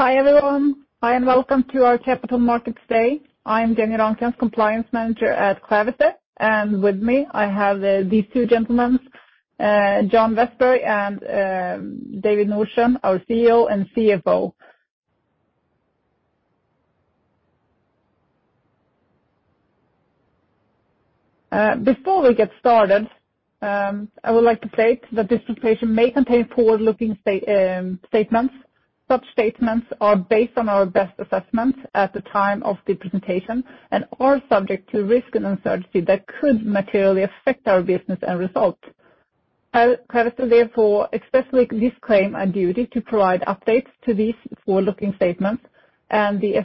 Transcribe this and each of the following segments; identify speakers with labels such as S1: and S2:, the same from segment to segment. S1: Hi, everyone. Hi, and welcome to our Capital Markets Day. I'm Jenny Lundgren, compliance manager at Clavister. With me, I have these two gentlemen, John Vestberg and David Nordström, our CEO and CFO. Before we get started, I would like to state that this presentation may contain forward-looking statements. Such statements are based on our best assessments at the time of the presentation and are subject to risk and uncertainty that could materially affect our business and results. Clavister therefore expressly disclaim a duty to provide updates to these forwardlooking statements and the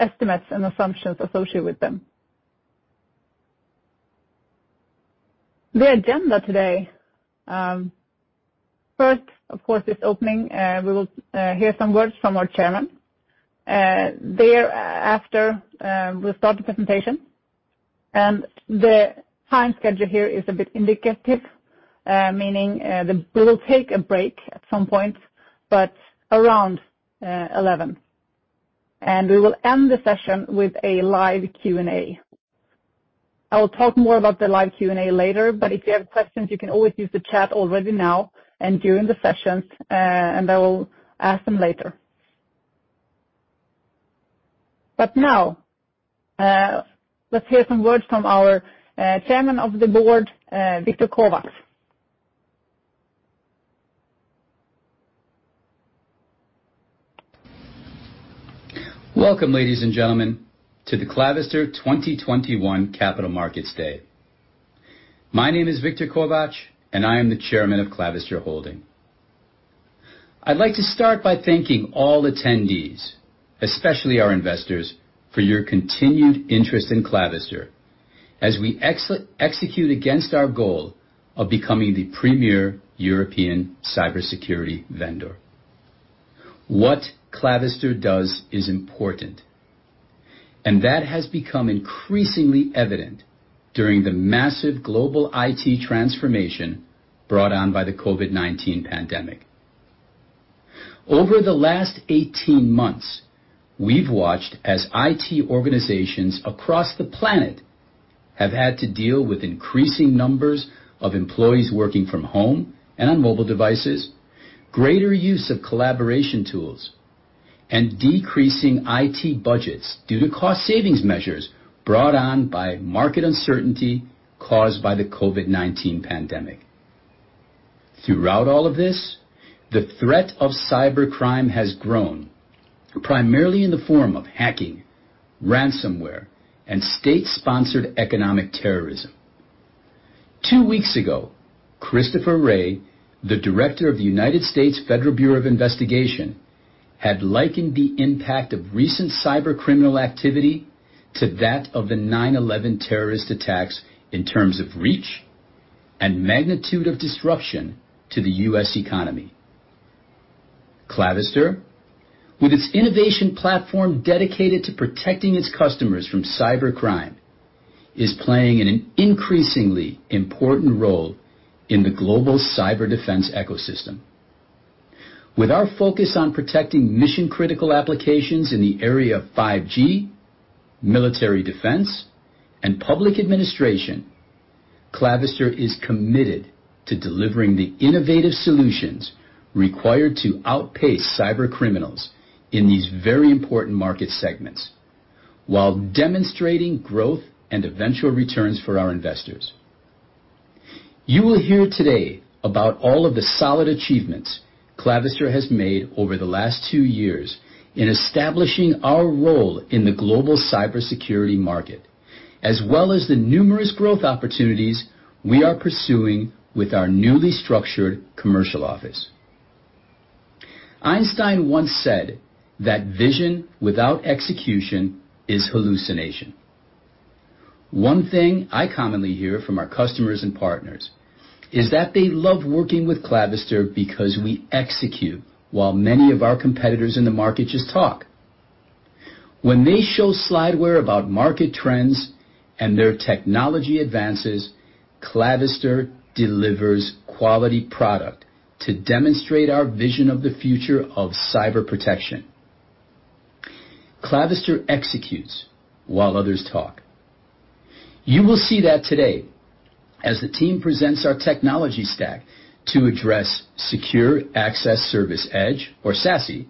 S1: estimates and assumptions associated with them. The agenda today. First, of course, this opening, we will hear some words from our chairman. There after, we'll start the presentation and the time schedule here is a bit indicative, meaning that we'll take a break at some point, but around 11. We will end the session with a live Q&A. I will talk more about the live Q&A later, but if you have questions, you can always use the chat already now and during the sessions, and I will ask them later. Now, let's hear some words from our Chairman of the Board, Viktor Kovács.
S2: Welcome, ladies and gentlemen, to the Clavister 2021 Capital Markets Day. My name is Viktor Kovács, and I am the Chairman of Clavister Holding. I'd like to start by thanking all attendees, especially our investors, for your continued interest in Clavister as we execute against our goal of becoming the premier European cybersecurity vendor. What Clavister does is important, and that has become increasingly evident during the massive global IT transformation brought on by the COVID-19 pandemic. Over the last 18 months, we've watched as IT organizations across the planet have had to deal with increasing numbers of employees working from home and on mobile devices, greater use of collaboration tools, and decreasing IT budgets due to cost savings measures brought on by market uncertainty caused by the COVID-19 pandemic. Throughout all of this, the threat of cybercrime has grown, primarily in the form of hacking, ransomware, and state-sponsored economic terrorism. Two weeks ago, Christopher Wray, the director of the United States Federal Bureau of Investigation, had likened the impact of recent cybercriminal activity to that of the 9/11 terrorist attacks in terms of reach and magnitude of disruption to the U.S. economy. Clavister, with its innovation platform dedicated to protecting its customers from cybercrime, is playing an increasingly important role in the global cyber defense ecosystem. With our focus on protecting mission-critical applications in the area of 5G, military defense, and public administration, Clavister is committed to delivering the innovative solutions required to outpace cybercriminals in these very important market segments while demonstrating growth and eventual returns for our investors. You will hear today about all of the solid achievements Clavister has made over the last two years in establishing our role in the global cybersecurity market, as well as the numerous growth opportunities we are pursuing with our newly structured commercial office. Einstein once said that vision without execution is hallucination. One thing I commonly hear from our customers and partners is that they love working with Clavister because we execute while many of our competitors in the market just talk. When they show slideware about market trends and their technology advances, Clavister delivers quality product to demonstrate our vision of the future of cyber protection. Clavister executes while others talk. You will see that today as the team presents our technology stack to address Secure Access Service Edge or SASE,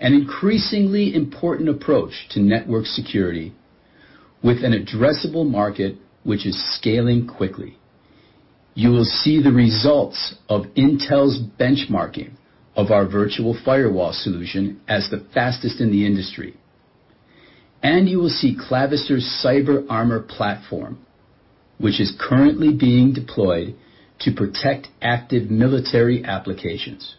S2: an increasingly important approach to network security with an addressable market which is scaling quickly. You will see the results of Intel's benchmarking of our virtual firewall solution as the fastest in the industry. You will see Clavister's CyberArmour platform, which is currently being deployed to protect active military applications.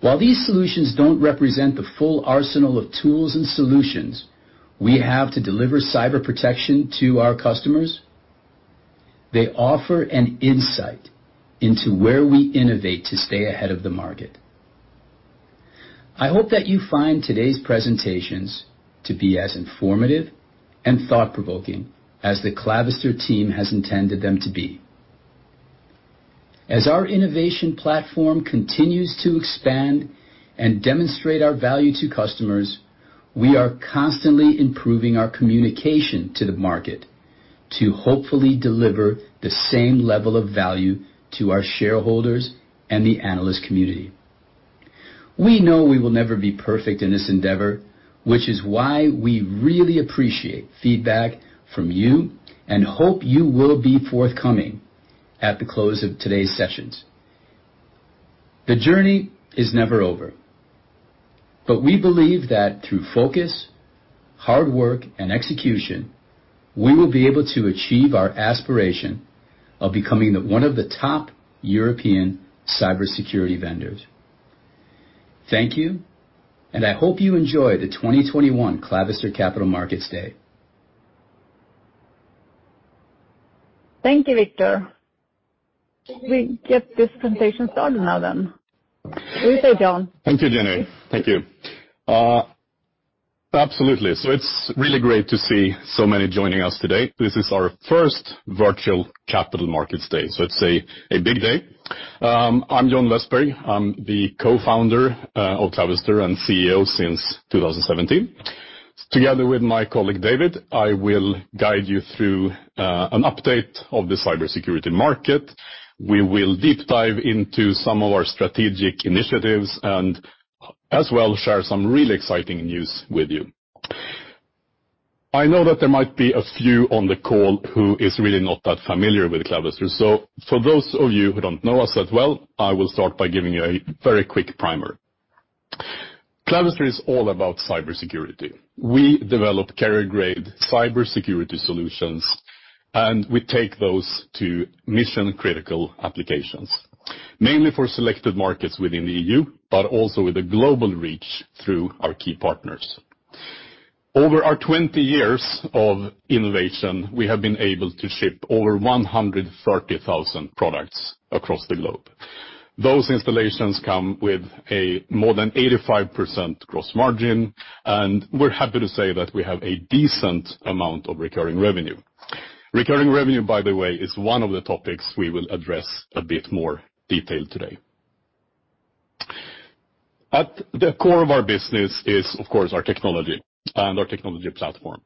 S2: While these solutions don't represent the full arsenal of tools and solutions we have to deliver cyber protection to our customers, they offer an insight into where we innovate to stay ahead of the market. I hope that you find today's presentations to be as informative and thought-provoking as the Clavister team has intended them to be. As our innovation platform continues to expand and demonstrate our value to customers, we are constantly improving our communication to the market to hopefully deliver the same level of value to our shareholders and the analyst community. We know we will never be perfect in this endeavor, which is why we really appreciate feedback from you and hope you will be forthcoming at the close of today's sessions. We believe that through focus, hard work, and execution, we will be able to achieve our aspiration of becoming the one of the top European cybersecurity vendors. Thank you, and I hope you enjoy the 2021 Clavister Capital Markets Day.
S1: Thank you, Viktor. Should we get this presentation started now then? What do you say, John?
S3: Thank you, Jenny. Thank you. Absolutely. It's really great to see so many joining us today. This is our first virtual Capital Markets Day, so it's a big day. I'm John Vestberg. I'm the Co-Founder of Clavister and CEO since 2017. Together with my colleague, David, I will guide you through an update of the cybersecurity market. We will deep dive into some of our strategic initiatives and, as well, share some really exciting news with you. I know that there might be a few on the call who is really not that familiar with Clavister. For those of you who don't know us that well, I will start by giving you a very quick primer. Clavister is all about cybersecurity. We develop carrier-grade cybersecurity solutions, and we take those to mission-critical applications, mainly for selected markets within the E.U., but also with a global reach through our key partners. Over our 20 years of innovation, we have been able to ship over 130,000 products across the globe. Those installations come with a more than 85% gross margin, and we're happy to say that we have a decent amount of recurring revenue. Recurring revenue, by the way, is one of the topics we will address a bit more detail today. At the core of our business is, of course, our technology and our technology platform,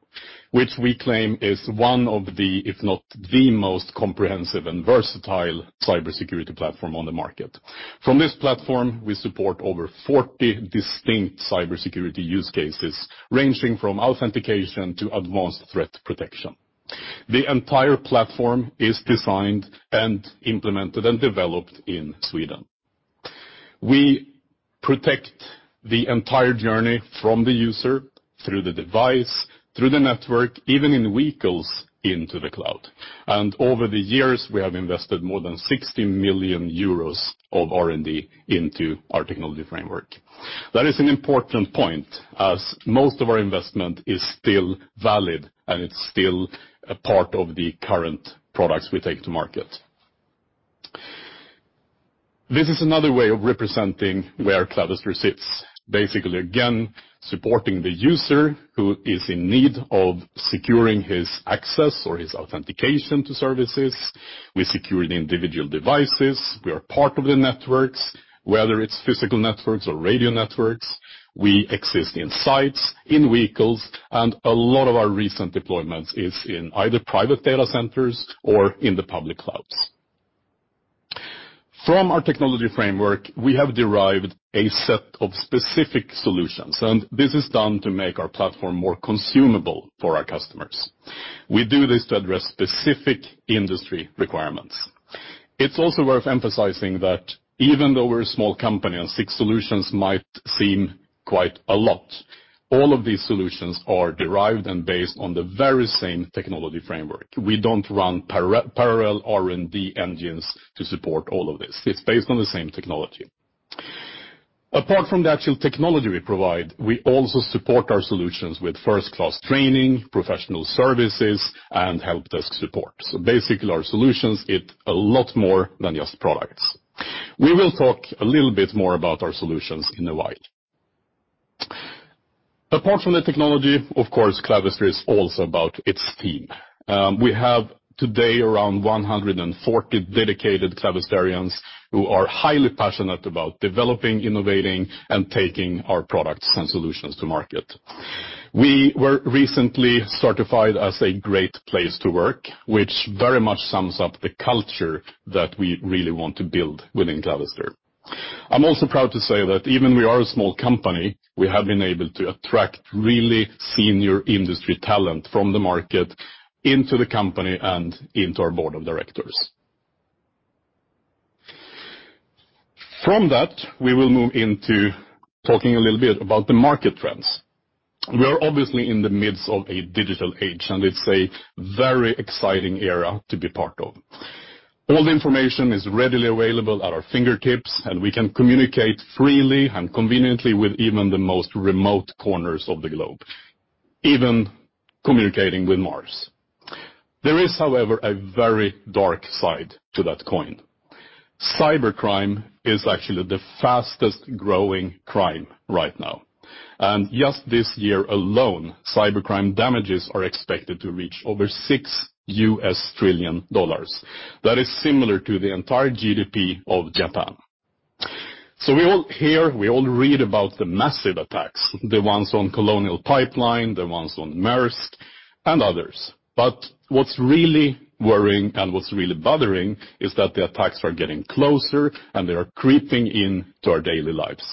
S3: which we claim is one of the, if not the most comprehensive and versatile cybersecurity platform on the market. From this platform, we support over 40 distinct cybersecurity use cases, ranging from authentication to advanced threat protection. The entire platform is designed and implemented and developed in Sweden. We protect the entire journey from the user through the device, through the network, even in vehicles into the cloud. Over the years, we have invested more than 60 million euros of R&D into our technology framework. That is an important point as most of our investment is still valid, and it's still a part of the current products we take to market. This is another way of representing where Clavister sits, basically, again, supporting the user who is in need of securing his access or his authentication to services. We secure the individual devices. We are part of the networks, whether it's physical networks or radio networks. We exist in sites, in vehicles, and a lot of our recent deployments is in either private data centers or in the public clouds. From our technology framework, we have derived a set of specific solutions, and this is done to make our platform more consumable for our customers. We do this to address specific industry requirements. It's also worth emphasizing that even though we're a small company and six solutions might seem quite a lot, all of these solutions are derived and based on the very same technology framework. We don't run parallel R&D engines to support all of this. It's based on the same technology. Apart from the actual technology we provide, we also support our solutions with first-class training, professional services, and helpdesk support. Basically, our solutions, it a lot more than just products. We will talk a little bit more about our solutions in a while. Apart from the technology, of course, Clavister is also about its team. We have today around 140 dedicated Clavisterians who are highly passionate about developing, innovating, and taking our products and solutions to market. We were recently certified as a Great Place to Work, which very much sums up the culture that we really want to build within Clavister. I am also proud to say that even we are a small company, we have been able to attract really senior industry talent from the market into the company and into our board of directors. From that, we will move into talking a little bit about the market trends. We are obviously in the midst of a digital age, and it is a very exciting era to be part of. All the information is readily available at our fingertips, and we can communicate freely and conveniently with even the most remote corners of the globe, even communicating with Mars. There is, however, a very dark side to that coin. Cybercrime is actually the fastest-growing crime right now, and just this year alone, cybercrime damages are expected to reach over $6 trillion. That is similar to the entire GDP of Japan. We all hear, we all read about the massive attacks, the ones on Colonial Pipeline, the ones on Maersk, and others. What's really worrying and what's really bothering is that the attacks are getting closer, and they are creeping into our daily lives.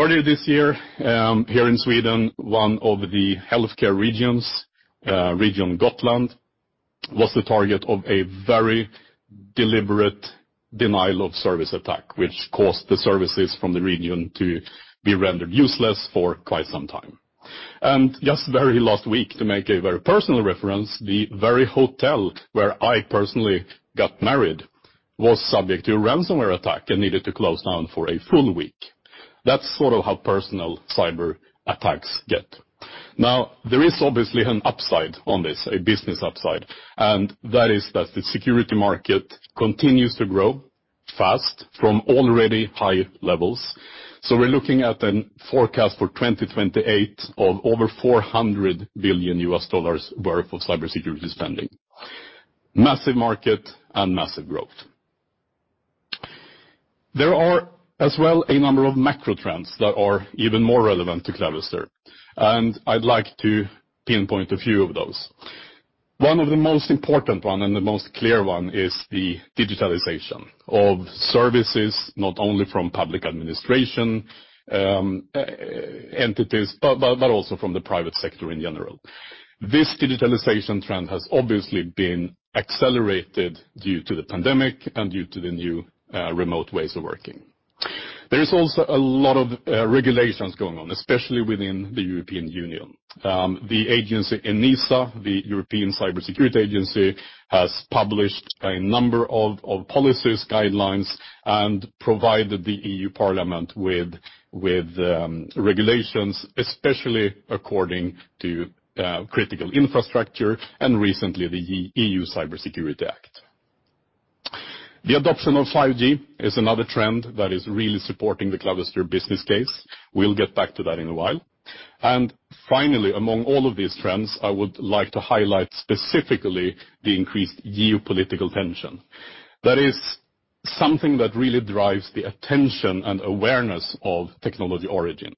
S3: Earlier this year, here in Sweden, one of the healthcare regions, Region Gotland, was the target of a very deliberate denial of service attack, which caused the services from the region to be rendered useless for quite some time. Just very last week, to make a very personal reference, the very hotel where I personally got married was subject to a ransomware attack and needed to close down for a full week. That's sort of how personal cyber attacks get. There is obviously an upside on this, a business upside, and that is that the security market continues to grow fast from already high levels. We're looking at a forecast for 2028 of over $400 billion worth of cybersecurity spending. Massive market and massive growth. There are as well a number of macro trends that are even more relevant to Clavister, and I'd like to pinpoint a few of those. One of the most important one and the most clear one is the digitalization of services, not only from public administration, entities, but also from the private sector in general. This digitalization trend has obviously been accelerated due to the pandemic and due to the new remote ways of working. There is also a lot of regulations going on, especially within the European Union. The agency ENISA, the European Cybersecurity Agency, has published a number of policies, guidelines, and provided the EU Parliament with regulations, especially according to critical infrastructure and recently the EU Cybersecurity Act. The adoption of 5G is another trend that is really supporting the Clavister business case. We'll get back to that in a while. Finally, among all of these trends, I would like to highlight specifically the increased geopolitical tension. That is something that really drives the attention and awareness of technology origin.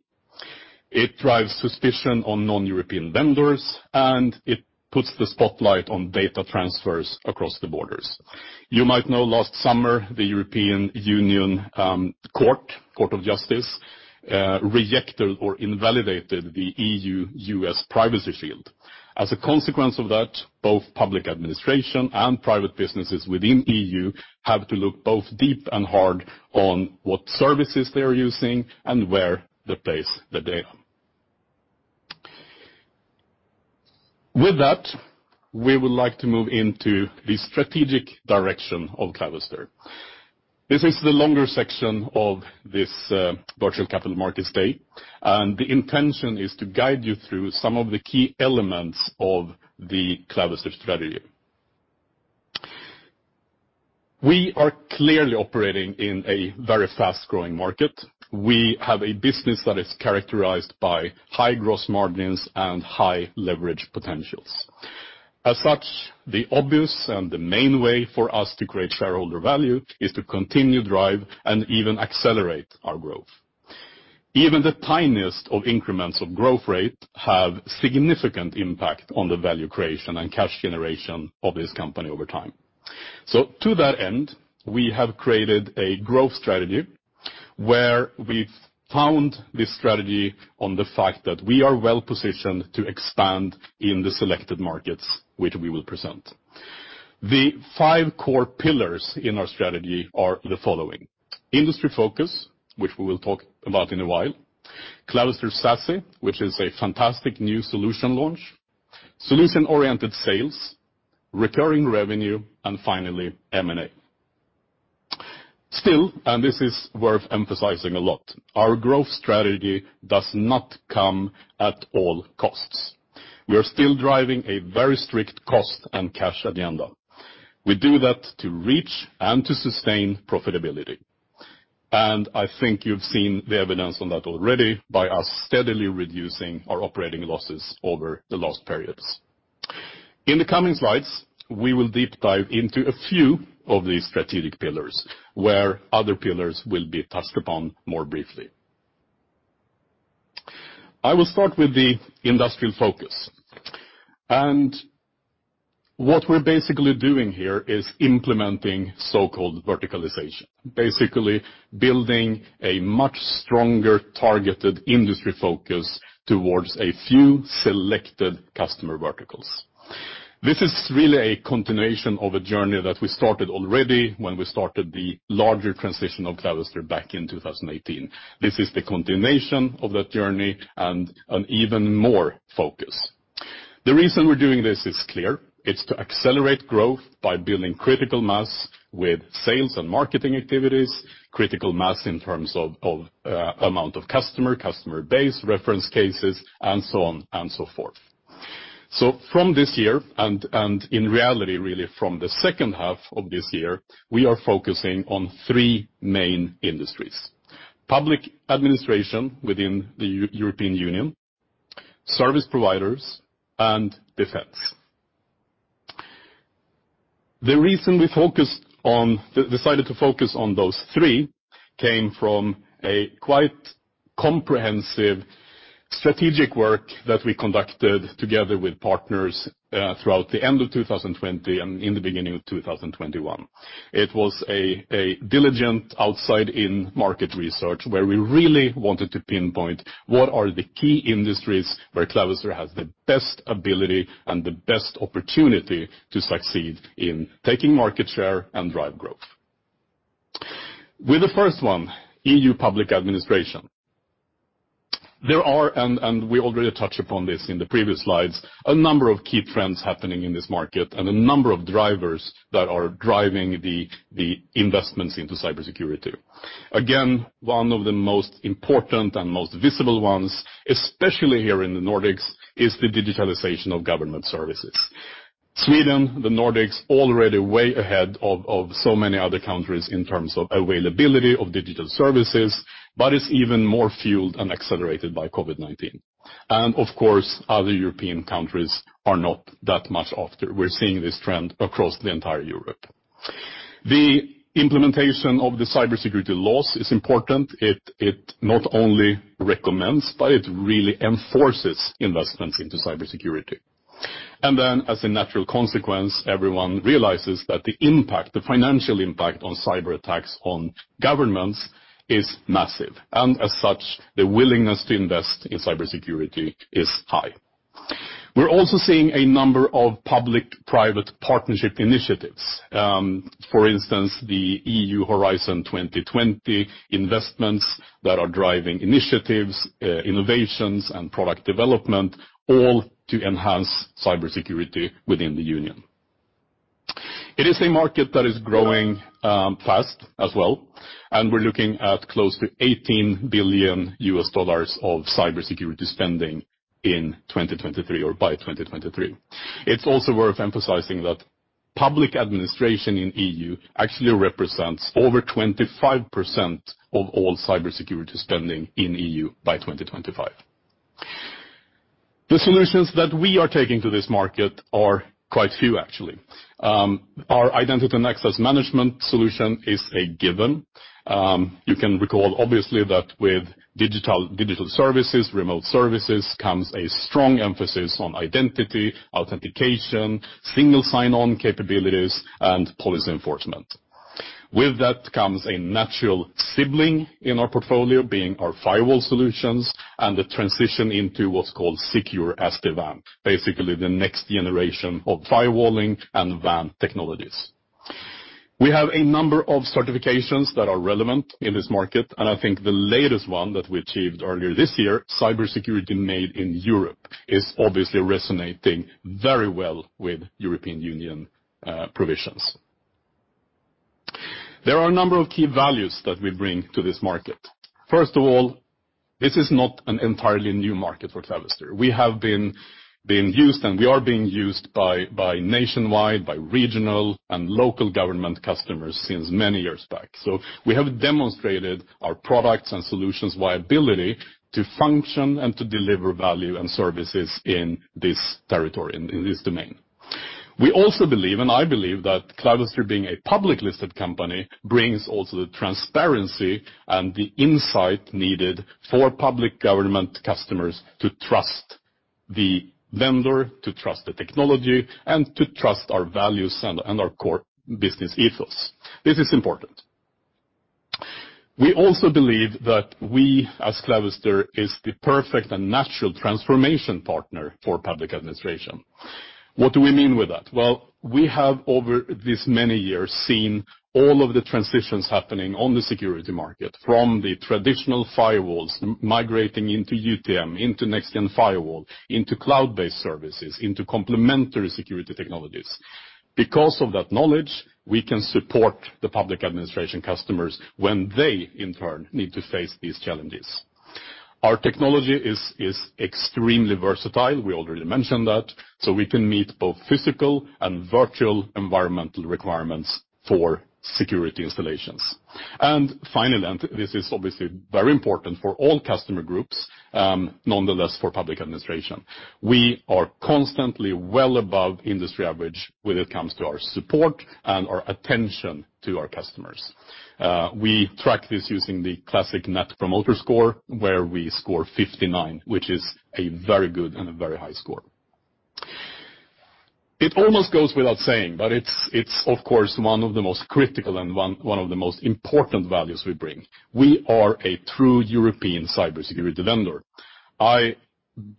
S3: It drives suspicion on non-European vendors, and it puts the spotlight on data transfers across the borders. You might know last summer, the Court of Justice of the European Union rejected or invalidated the EU–U.S. Privacy Shield. As a consequence of that, both public administration and private businesses within E.U. have to look both deep and hard on what services they are using and where they place the data. With that, we would like to move into the strategic direction of Clavister. This is the longer section of this virtual capital markets day, and the intention is to guide you through some of the key elements of the Clavister strategy. We are clearly operating in a very fast-growing market. We have a business that is characterized by high gross margins and high leverage potentials. As such, the obvious and the main way for us to create shareholder value is to continue drive and even accelerate our growth. Even the tiniest of increments of growth rate have significant impact on the value creation and cash generation of this company over time. To that end, we have created a growth strategy where we've found this strategy on the fact that we are well-positioned to expand in the selected markets which we will present. The five core pillars in our strategy are the following, industry focus, which we will talk about in a while, Clavister SASE, which is a fantastic new solution launch, solution-oriented sales, recurring revenue, and finally, M&A. Still, this is worth emphasizing a lot, our growth strategy does not come at all costs. We are still driving a very strict cost and cash agenda. We do that to reach and to sustain profitability. I think you've seen the evidence on that already by us steadily reducing our operating losses over the last periods. In the coming slides, we will deep dive into a few of these strategic pillars where other pillars will be touched upon more briefly. I will start with the industrial focus. What we're basically doing here is implementing so-called verticalization, basically building a much stronger targeted industry focus towards a few selected customer verticals. This is really a continuation of a journey that we started already when we started the larger transition of Clavister back in 2018. This is the continuation of that journey and an even more focus. The reason we're doing this is clear. It's to accelerate growth by building critical mass with sales and marketing activities, critical mass in terms of amount of customer base, reference cases, and so on and so forth. From this year and in reality really from the second half of this year, we are focusing on three main industries. Public administration within the European Union, service providers, and defense. The reason we decided to focus on those three came from a quite comprehensive strategic work that we conducted together with partners throughout the end of 2020 and in the beginning of 2021. It was a diligent outside-in market research where we really wanted to pinpoint what are the key industries where Clavister has the best ability and the best opportunity to succeed in taking market share and drive growth. With the first one, EU public administration. There are, and we already touched upon this in the previous slides, a number of key trends happening in this market and a number of drivers that are driving the investments into cybersecurity. Again, one of the most important and most visible ones, especially here in the Nordics, is the digitalization of government services. Sweden, the Nordics already way ahead of so many other countries in terms of availability of digital services, but it's even more fueled and accelerated by COVID-19. Of course, other European countries are not that much after. We're seeing this trend across the entire Europe. The implementation of the cybersecurity laws is important. It not only recommends, but it really enforces investments into cybersecurity. As a natural consequence, everyone realizes that the impact, the financial impact on cyberattacks on governments is massive. As such, the willingness to invest in cybersecurity is high. We're also seeing a number of public-private partnership initiatives, for instance, the EU Horizon 2020 investments that are driving initiatives, innovations, and product development all to enhance cybersecurity within the union. It is a market that is growing fast as well, we're looking at close to $18 billion of cybersecurity spending in 2023 or by 2023. It's also worth emphasizing that public administration in E.U. actually represents over 25% of all cybersecurity spending in EU by 2025. The solutions that we are taking to this market are quite few actually. Our identity and access management solution is a given. You can recall obviously that with digital services, remote services comes a strong emphasis on identity, authentication, single sign-on capabilities, and policy enforcement. With that comes a natural sibling in our portfolio being our firewall solutions and the transition into what's called secure SD-WAN, basically the next generation of firewalling and WAN technologies. We have a number of certifications that are relevant in this market, and I think the latest one that we achieved earlier this year, Cybersecurity Made in Europe, is obviously resonating very well with European Union provisions. There are a number of key values that we bring to this market. First of all, this is not an entirely new market for Clavister. We have been used, and we are being used by nationwide, by regional, and local government customers since many years back. We have demonstrated our products and solutions viability to function and to deliver value and services in this territory, in this domain. We also believe, and I believe that Clavister being a public-listed company brings also the transparency and the insight needed for public government customers to trust the vendor, to trust the technology, and to trust our values and our core business ethos. This is important. We also believe that we as Clavister is the perfect and natural transformation partner for public administration. What do we mean with that? We have over these many years seen all of the transitions happening on the security market from the traditional firewalls migrating into UTM, into next-gen firewall, into cloud-based services, into complementary security technologies. Because of that knowledge, we can support the public administration customers when they in turn need to face these challenges. Our technology is extremely versatile, we already mentioned that, we can meet both physical and virtual environmental requirements for security installations. Finally, this is obviously very important for all customer groups, nonetheless for public administration, we are constantly well above industry average when it comes to our support and our attention to our customers. We track this using the classic Net Promoter Score, where we score 59, which is a very good and a very high score. It almost goes without saying, it's of course one of the most critical and one of the most important values we bring. We are a true European cybersecurity vendor. I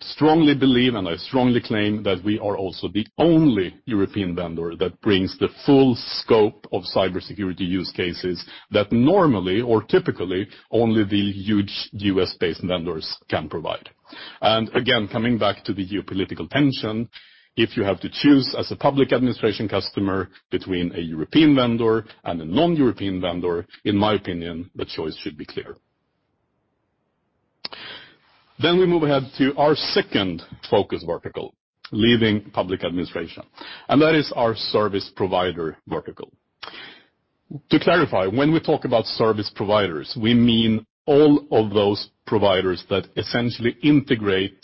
S3: strongly believe and I strongly claim that we are also the only one European vendor that brings the full scope of cybersecurity use cases that normally or typically only the huge U.S.-based vendors can provide. Again, coming back to the geopolitical tension, if you have to choose as a public administration customer between a European vendor and a non-European vendor, in my opinion, the choice should be clear. We move ahead to our second focus vertical, leaving public administration, and that is our service provider vertical. To clarify, when we talk about service providers, we mean all of those providers that essentially integrate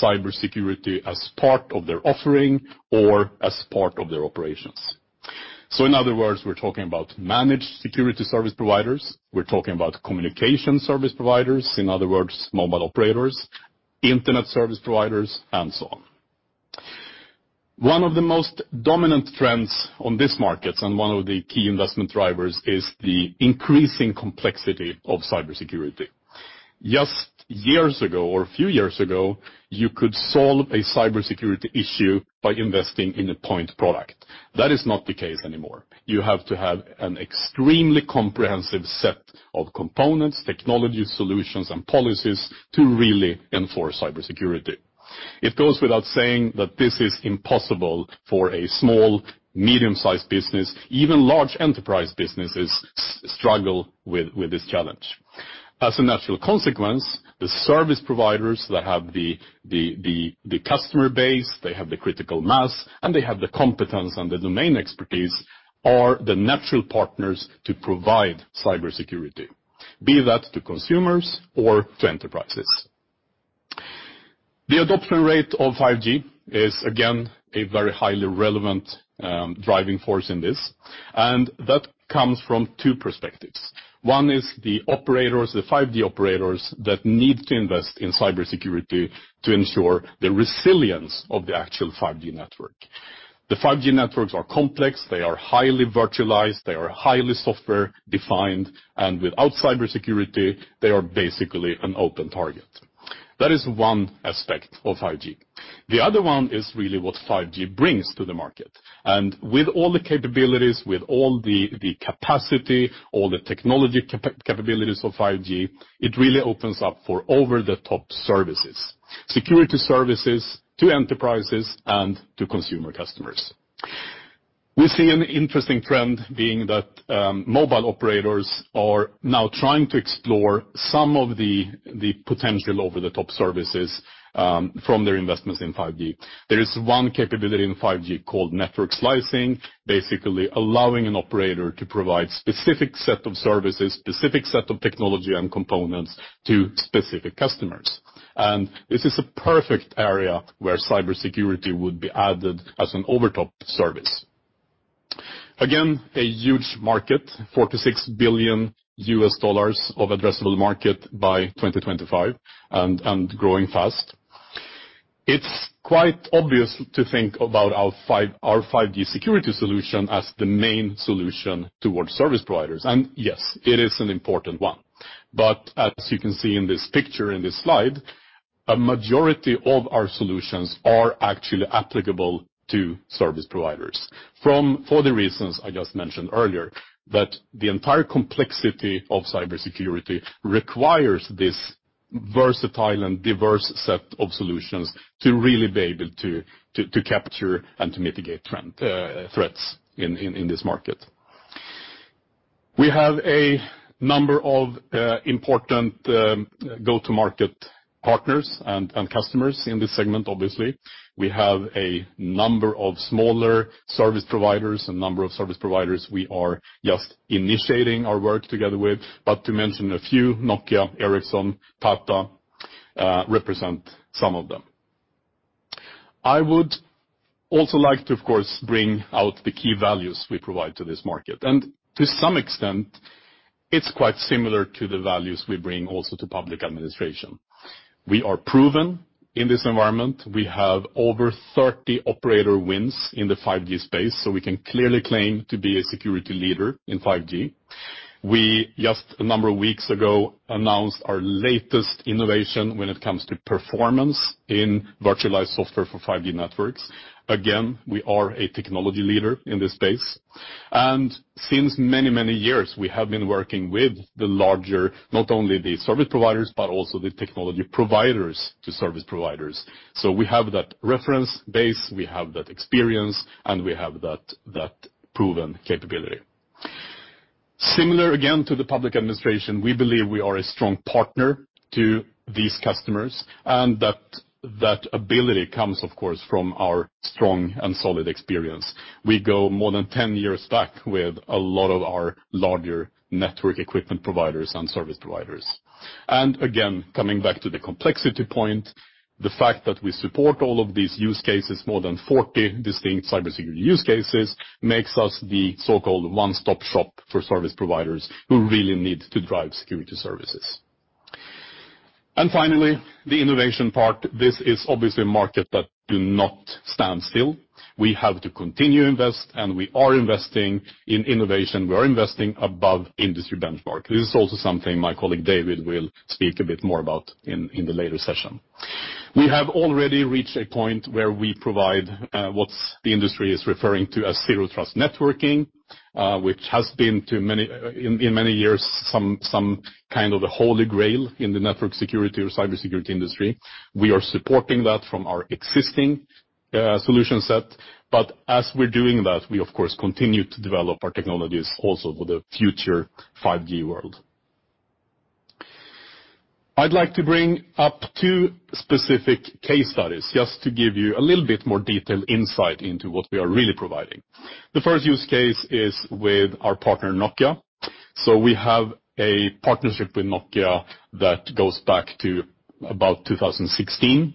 S3: cybersecurity as part of their offering or as part of their operations. In other words, we're talking about managed security service providers, we're talking about communication service providers, in other words, mobile operators, internet service providers, and so on. One of the most dominant trends on this market, and one of the key investment drivers is the increasing complexity of cybersecurity. Just years ago or a few years ago, you could solve a cybersecurity issue by investing in a point product. That is not the case anymore. You have to have an extremely comprehensive set of components, technology solutions and policies to really enforce cybersecurity. It goes without saying that this is impossible for a small medium-sized business. Even large enterprise businesses struggle with this challenge. As a natural consequence, the service providers that have the customer base, they have the critical mass, and they have the competence and the domain expertise are the natural partners to provide cybersecurity, be that to consumers or to enterprises. The adoption rate of 5G is again a very highly relevant driving force in this, and that comes from two perspectives. One is the operators, the 5G operators that need to invest in cybersecurity to ensure the resilience of the actual 5G network. The 5G networks are complex, they are highly virtualized, they are highly software defined, and without cybersecurity, they are basically an open target. That is one aspect of 5G. The other one is really what 5G brings to the market. With all the capabilities, with all the capacity, all the technology capabilities of 5G, it really opens up for over-the-top services, security services to enterprises and to consumer customers. We see an interesting trend being that mobile operators are now trying to explore some of the potential over-the-top services from their investments in 5G. There is one capability in 5G called network slicing, basically allowing an operator to provide specific set of services, specific set of technology and components to specific customers. This is a perfect area where cybersecurity would be added as an over-the-top service. Again, a huge market, $46 billion of addressable market by 2025 and growing fast. It's quite obvious to think about our 5G security solution as the main solution towards service providers. Yes, it is an important one. As you can see in this picture, in this slide, a majority of our solutions are actually applicable to service providers. For the reasons I just mentioned earlier, that the entire complexity of cybersecurity requires this versatile and diverse set of solutions to really be able to capture and to mitigate threats in this market. We have a number of important go-to-market partners and customers in this segment, obviously. We have a number of smaller service providers, a number of service providers we are just initiating our work together with. To mention a few, Nokia, Ericsson, Tata represent some of them. I would also like to, of course, bring out the key values we provide to this market. To some extent, it's quite similar to the values we bring also to public administration. We are proven in this environment. We have over 30 operator wins in the 5G space, so we can clearly claim to be a security leader in 5G. We just a number of weeks ago announced our latest innovation when it comes to performance in virtualized software for 5G networks. Again, we are a technology leader in this space. Since many years, we have been working with the larger, not only the service providers, but also the technology providers to service providers. We have that reference base, we have that experience, and we have that proven capability. Similar again, to the public administration, we believe we are a strong partner to these customers, and that ability comes, of course, from our strong and solid experience. We go more than 10 years back with a lot of our larger network equipment providers and service providers. Again, coming back to the complexity point, the fact that we support all of these use cases, more than 40 distinct cybersecurity use cases, makes us the so-called one-stop shop for service providers who really need to drive security services. Finally, the innovation part. This is obviously a market that do not stand still. We have to continue to invest, and we are investing in innovation. We are investing above industry benchmark. This is also something my colleague David will speak a bit more about in the later session. We have already reached a point where we provide what's the industry is referring to as zero trust networking, which has been in many years some kind of the Holy Grail in the network security or cybersecurity industry. We are supporting that from our existing solution set. As we're doing that, we of course, continue to develop our technologies also for the future 5G world. I'd like to bring up two specific case studies just to give you a little bit more detailed insight into what we are really providing. The first use case is with our partner, Nokia. We have a partnership with Nokia that goes back to about 2016,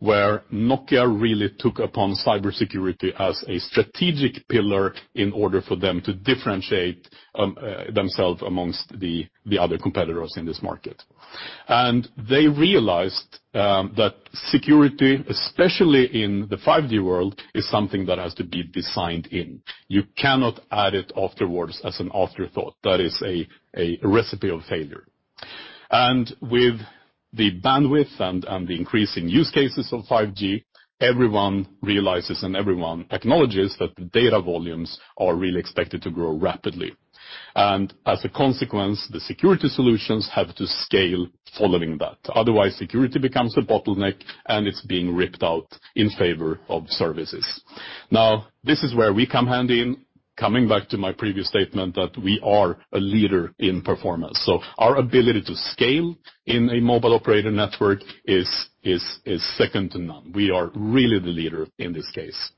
S3: where Nokia really took upon cybersecurity as a strategic pillar in order for them to differentiate themselves amongst the other competitors in this market. They realized that security, especially in the 5G world, is something that has to be designed in. You cannot add it afterwards as an afterthought. That is a recipe of failure. With the bandwidth and the increase in use cases of 5G, everyone realizes and everyone acknowledges that the data volumes are really expected to grow rapidly. As a consequence, the security solutions have to scale following that. Otherwise, security becomes a bottleneck and it's being ripped out in favor of services. This is where we come handy in, coming back to my previous statement that we are a leader in performance. Our ability to scale in a mobile operator network is second to none. We are really the leader in this case.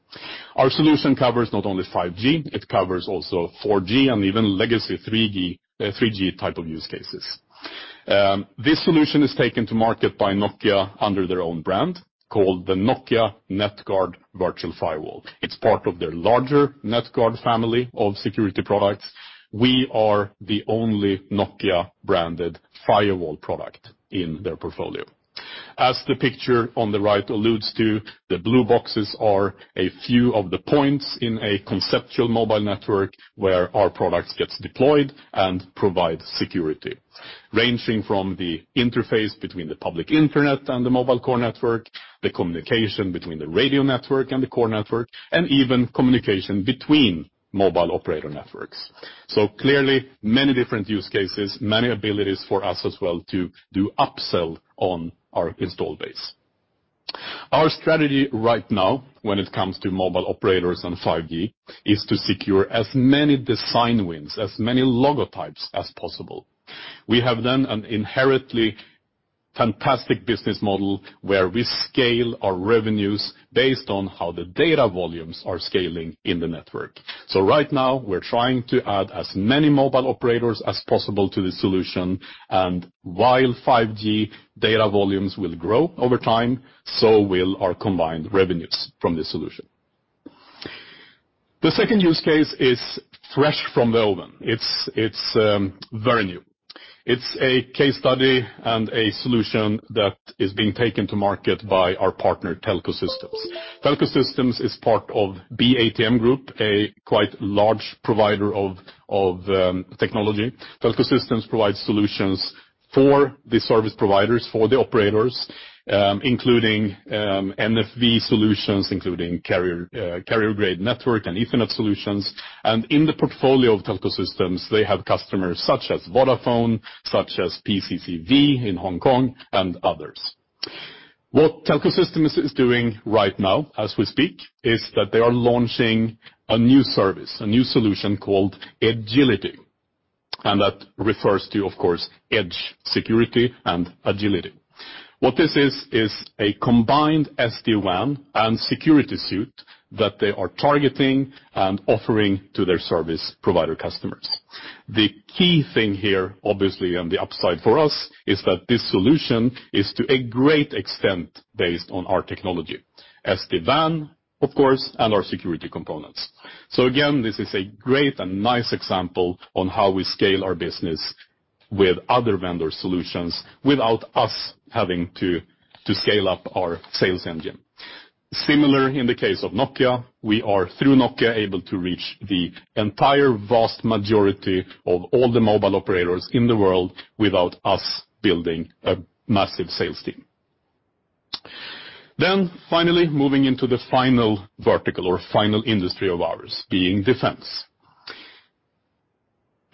S3: Our solution covers not only 5G, it covers also 4G and even legacy 3G type of use cases. This solution is taken to market by Nokia under their own brand called the Nokia NetGuard Virtual Firewall. It's part of their larger NetGuard family of security products. We are the only Nokia-branded firewall product in their portfolio. As the picture on the right alludes to, the blue boxes are a few of the points in a conceptual mobile network where our products gets deployed and provide security, ranging from the interface between the public internet and the mobile core network, the communication between the radio network and the core network, and even communication between mobile operator networks. Clearly, many different use cases, many abilities for us as well to do upsell on our install base. Our strategy right now when it comes to mobile operators and 5G is to secure as many design wins, as many logotypes as possible. We have an inherently fantastic business model where we scale our revenues based on how the data volumes are scaling in the network. Right now, we're trying to add as many mobile operators as possible to the solution, and while 5G data volumes will grow over time, so will our combined revenues from the solution. The second use case is fresh from the oven. It's very new. It's a case study and a solution that is being taken to market by our partner, Telco Systems. Telco Systems is part of BATM Group, a quite large provider of technology. Telco Systems provides solutions for the service providers, for the operators, including NFV solutions, including carrier grade network and Ethernet solutions, and in the portfolio of Telco Systems, they have customers such as Vodafone, such as PCCW in Hong Kong, and others. What Telco Systems is doing right now, as we speak, is that they are launching a new service, a new solution called Edgility. That refers to, of course, Edgility. What this is a combined SD-WAN and security suite that they are targeting and offering to their service provider customers. The key thing here, obviously, and the upside for us is that this solution is to a great extent based on our technology. SD-WAN, of course, and our security components. Again, this is a great and nice example on how we scale our business with other vendor solutions without us having to scale up our sales engine. Similar in the case of Nokia, we are through Nokia able to reach the entire vast majority of all the mobile operators in the world without us building a massive sales team. Finally, moving into the final vertical or final industry of ours being defense.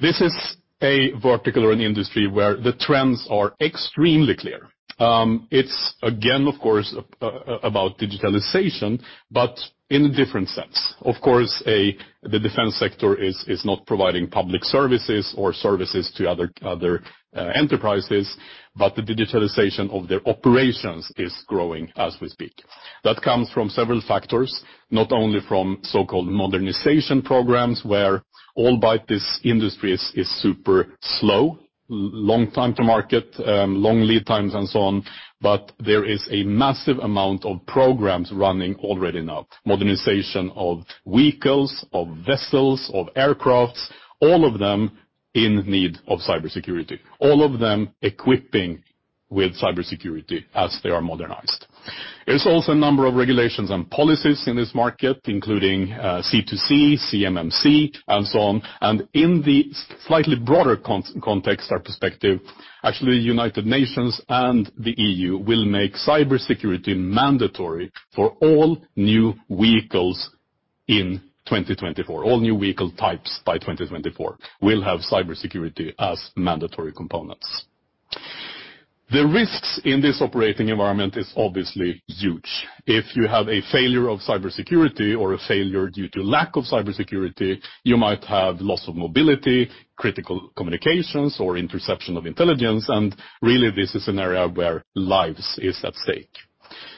S3: This is a vertical or an industry where the trends are extremely clear. It's again, of course, about digitalization, but in a different sense. Of course, the defense sector is not providing public services or services to other enterprises, but the digitalization of their operations is growing as we speak. That comes from several factors, not only from so-called modernization programs, where all but this industry is super slow, long time to market, long lead times and so on, but there is a massive amount of programs running already now. Modernization of vehicles, of vessels, of aircrafts, all of them in need of cybersecurity. All of them equipping with cybersecurity as they are modernized. There's also a number of regulations and policies in this market, including C2C, CMMC, and so on. In the slightly broader context or perspective, actually, United Nations and the EU will make cybersecurity mandatory for all new vehicles in 2024. All new vehicle types by 2024 will have cybersecurity as mandatory components. The risks in this operating environment is obviously huge. If you have a failure of cybersecurity or a failure due to lack of cybersecurity, you might have loss of mobility, critical communications, or interception of intelligence. Really, this is an area where lives is at stake.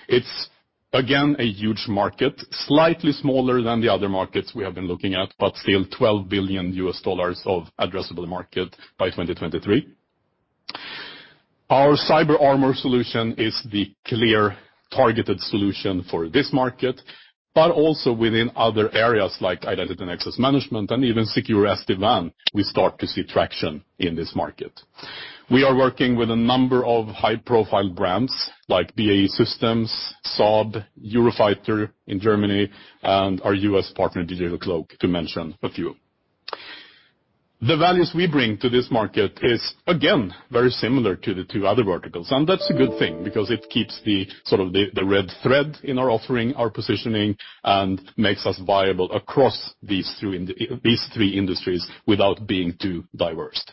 S3: It's again, a huge market, slightly smaller than the other markets we have been looking at, but still $12 billion of addressable market by 2023. Our Clavister CyberArmour solution is the clear targeted solution for this market, but also within other areas like identity and access management and even secure SD-WAN, we start to see traction in this market. We are working with a number of high-profile brands like BAE Systems, Saab, Eurofighter in Germany, and our U.S. partner, Digital Cloak, to mention a few. The values we bring to this market is again, very similar to the two other verticals, and that's a good thing because it keeps the sort of the red thread in our offering, our positioning, and makes us viable across these three industries without being too diversed.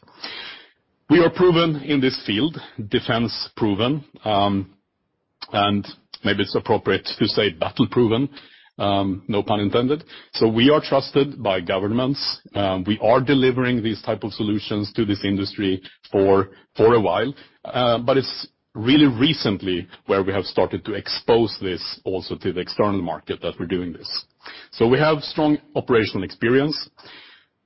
S3: We are proven in this field, defense proven, and maybe it's appropriate to say battle proven, no pun intended. We are trusted by governments. We are delivering these type of solutions to this industry for a while, but it's really recently where we have started to expose this also to the external market that we're doing this. We have strong operational experience.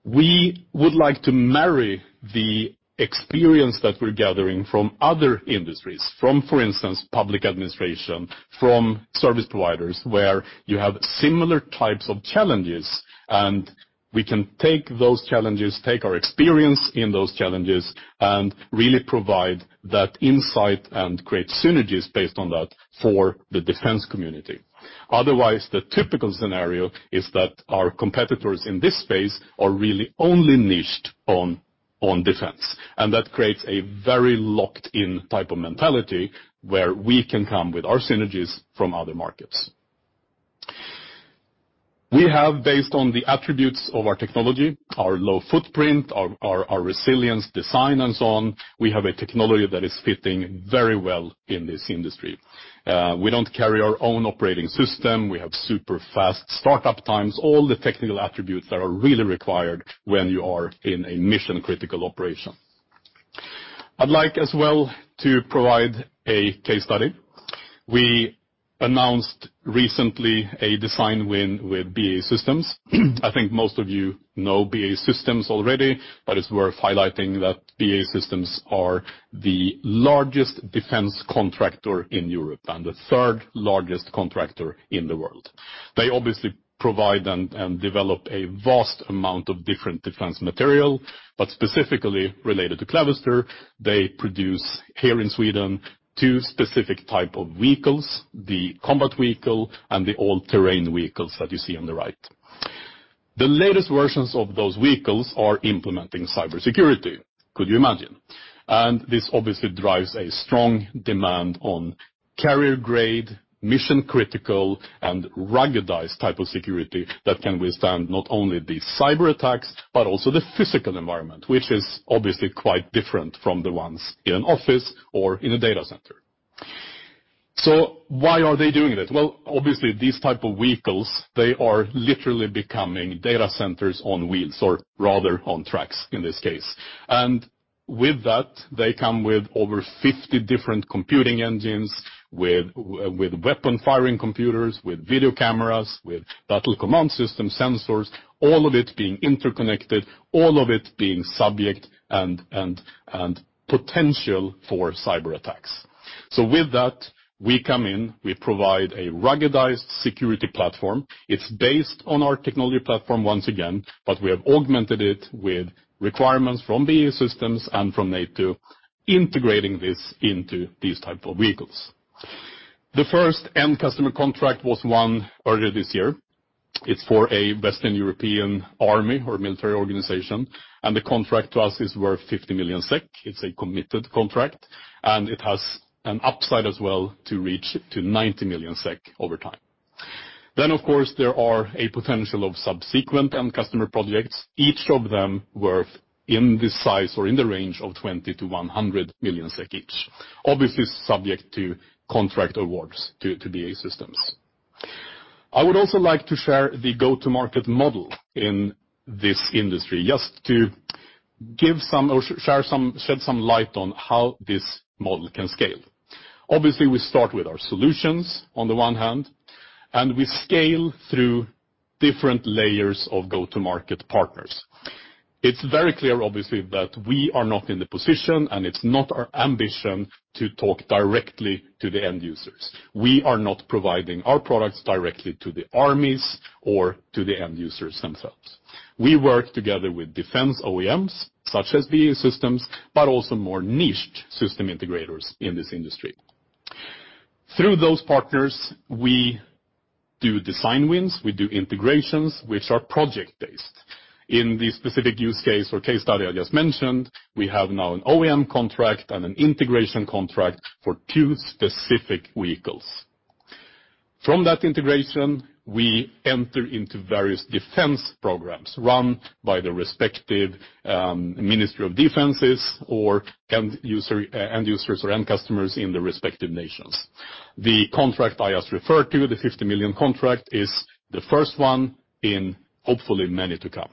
S3: We would like to marry the experience that we're gathering from other industries, from, for instance, public administration, from service providers, where you have similar types of challenges, and we can take those challenges, take our experience in those challenges and really provide that insight and create synergies based on that for the defense community. The typical scenario is that our competitors in this space are really only niched on defense, and that creates a very locked-in type of mentality where we can come with our synergies from other markets. We have, based on the attributes of our technology, our low footprint, our resilience design and so on, we have a technology that is fitting very well in this industry. We don't carry our own operating system. We have super fast startup times. All the technical attributes that are really required when you are in a mission-critical operation. I'd like as well to provide a case study. We announced recently a design win with BAE Systems. I think most of you know BAE Systems already, but it's worth highlighting that BAE Systems are the largest defense contractor in Europe and the third largest contractor in the world. They obviously provide and develop a vast amount of different defense material, but specifically related to Clavister CyberArmour, they produce here in Sweden two specific type of vehicles, the combat vehicle and the all-terrain vehicles that you see on the right. The latest versions of those vehicles are implementing cybersecurity. Could you imagine? This obviously drives a strong demand on carrier-grade, mission-critical, and ruggedized type of security that can withstand not only the cyberattacks, but also the physical environment, which is obviously quite different from the ones in an office or in a data center. Why are they doing this? Obviously, these type of vehicles, they are literally becoming data centers on wheels or rather on tracks in this case. With that, they come with over 50 different computing engines, with weapon firing computers, with video cameras, with battle command system sensors, all of it being interconnected, all of it being subject and potential for cyberattacks. With that, we come in, we provide a ruggedized security platform. It's based on our technology platform once again, but we have augmented it with requirements from BAE Systems and from NATO integrating this into these type of vehicles. The first end customer contract was won earlier this year. It's for a Western European army or military organization, and the contract to us is worth 50 million SEK. It's a committed contract, and it has an upside as well to reach to 90 million SEK over time. Of course, there are a potential of subsequent end customer projects, each of them worth in this size or in the range of 20 million-100 million SEK each. Obviously, subject to contract awards to BAE Systems. I would also like to share the go-to-market model in this industry just to shed some light on how this model can scale. Obviously, we start with our solutions on the one hand, and we scale through different layers of go-to-market partners. It's very clear, obviously, that we are not in the position and it's not our ambition to talk directly to the end users. We are not providing our products directly to the armies or to the end users themselves. We work together with defense OEMs such as BAE Systems, but also more niched system integrators in this industry. Through those partners, we do design wins, we do integrations, which are project-based. In the specific use case or case study I just mentioned, we have now an OEM contract and an integration contract for two specific vehicles. From that integration, we enter into various defense programs run by the respective ministry of defenses or end users or end customers in the respective nations. The contract I just referred to, the 50 million contract, is the first one in hopefully many to come.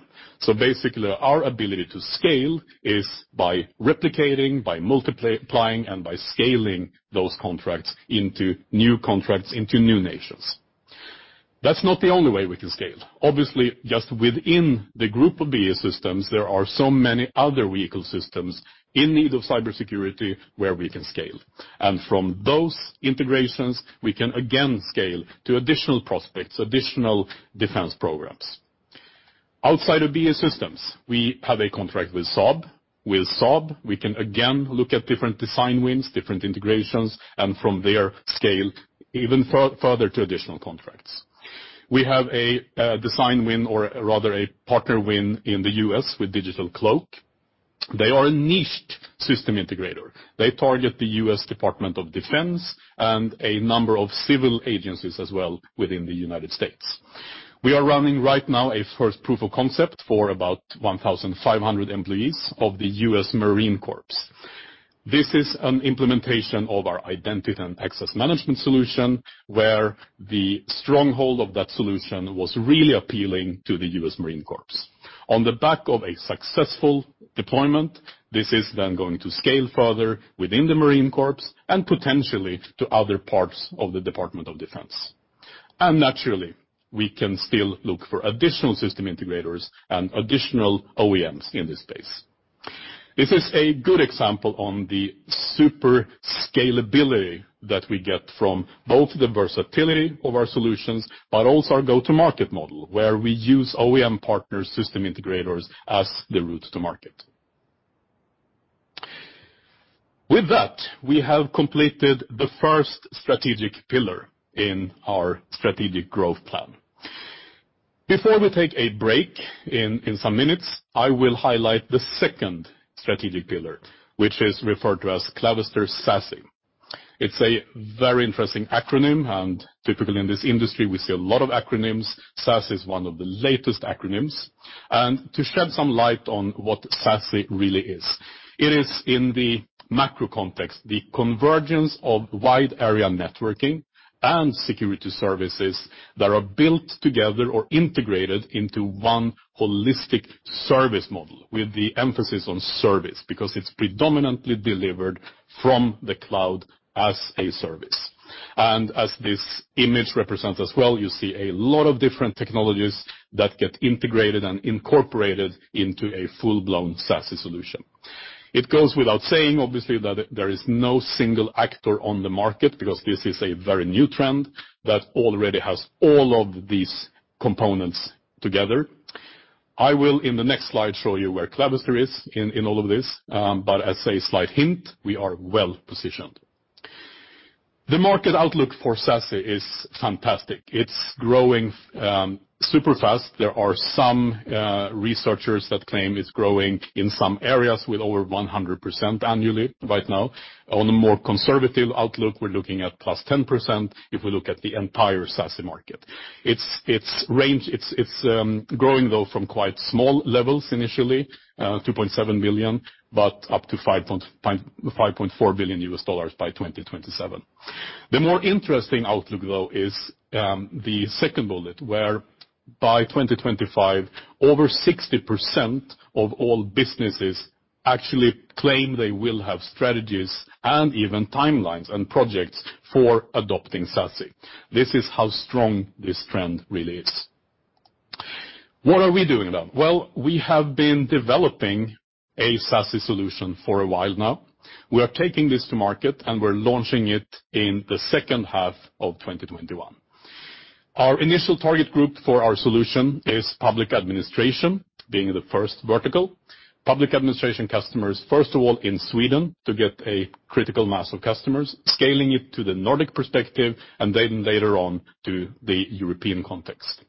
S3: Basically, our ability to scale is by replicating, by multiplying, and by scaling those contracts into new contracts into new nations. That's not the only way we can scale. Obviously, just within the group of BAE Systems, there are so many other vehicle systems in need of cybersecurity where we can scale. From those integrations, we can again scale to additional prospects, additional defense programs. Outside of BAE Systems, we have a contract with Saab. With Saab, we can again look at different design wins, different integrations, and from there scale even further to additional contracts. We have a design win, or rather a partner win in the U.S. with Digital Cloak. They are a niched system integrator. They target the U.S. Department of Defense and a number of civil agencies as well within the United States. We are running right now a first proof of concept for about 1,500 employees of the U.S. Marine Corps. This is an implementation of our identity and access management solution, where the stronghold of that solution was really appealing to the U.S. Marine Corps. On the back of a successful deployment, this is then going to scale further within the Marine Corps and potentially to other parts of the Department of Defense. Naturally, we can still look for additional system integrators and additional OEMs in this space. This is a good example on the super scalability that we get from both the versatility of our solutions, but also our go-to-market model, where we use OEM partners, system integrators as the route to market. With that, we have completed the first strategic pillar in our strategic growth plan. Before we take a break in some minutes, I will highlight the second strategic pillar, which is referred to as Clavister SASE. It's a very interesting acronym. Typically in this industry, we see a lot of acronyms. SASE is one of the latest acronyms. To shed some light on what SASE really is, it is in the macro context, the convergence of wide area networking and security services that are built together or integrated into one holistic service model with the emphasis on service, because it's predominantly delivered from the cloud as a service. As this image represents as well, you see a lot of different technologies that get integrated and incorporated into a full-blown SASE solution. It goes without saying, obviously, that there is no single actor on the market because this is a very new trend that already has all of these components together. I will, in the next slide, show you where Clavister is in all of this. As a slight hint, we are well-positioned. The market outlook for SASE is fantastic. It's growing super fast. There are some researchers that claim it's growing in some areas with over 100% annually right now. On a more conservative outlook, we're looking at plus 10% if we look at the entire SASE market. It's growing, though, from quite small levels initially, $2.7 billion up to $5.4 billion by 2027. The more interesting outlook, though, is the second bullet, where by 2025, over 60% of all businesses actually claim they will have strategies and even timelines and projects for adopting SASE. This is how strong this trend really is. What are we doing about it? Well, we have been developing a SASE solution for a while now. We are taking this to market, and we're launching it in the second half of 2021. Our initial target group for our solution is public administration being the first vertical. Public administration customers, first of all, in Sweden to get a critical mass of customers, scaling it to the Nordic perspective, and then later on to the European context.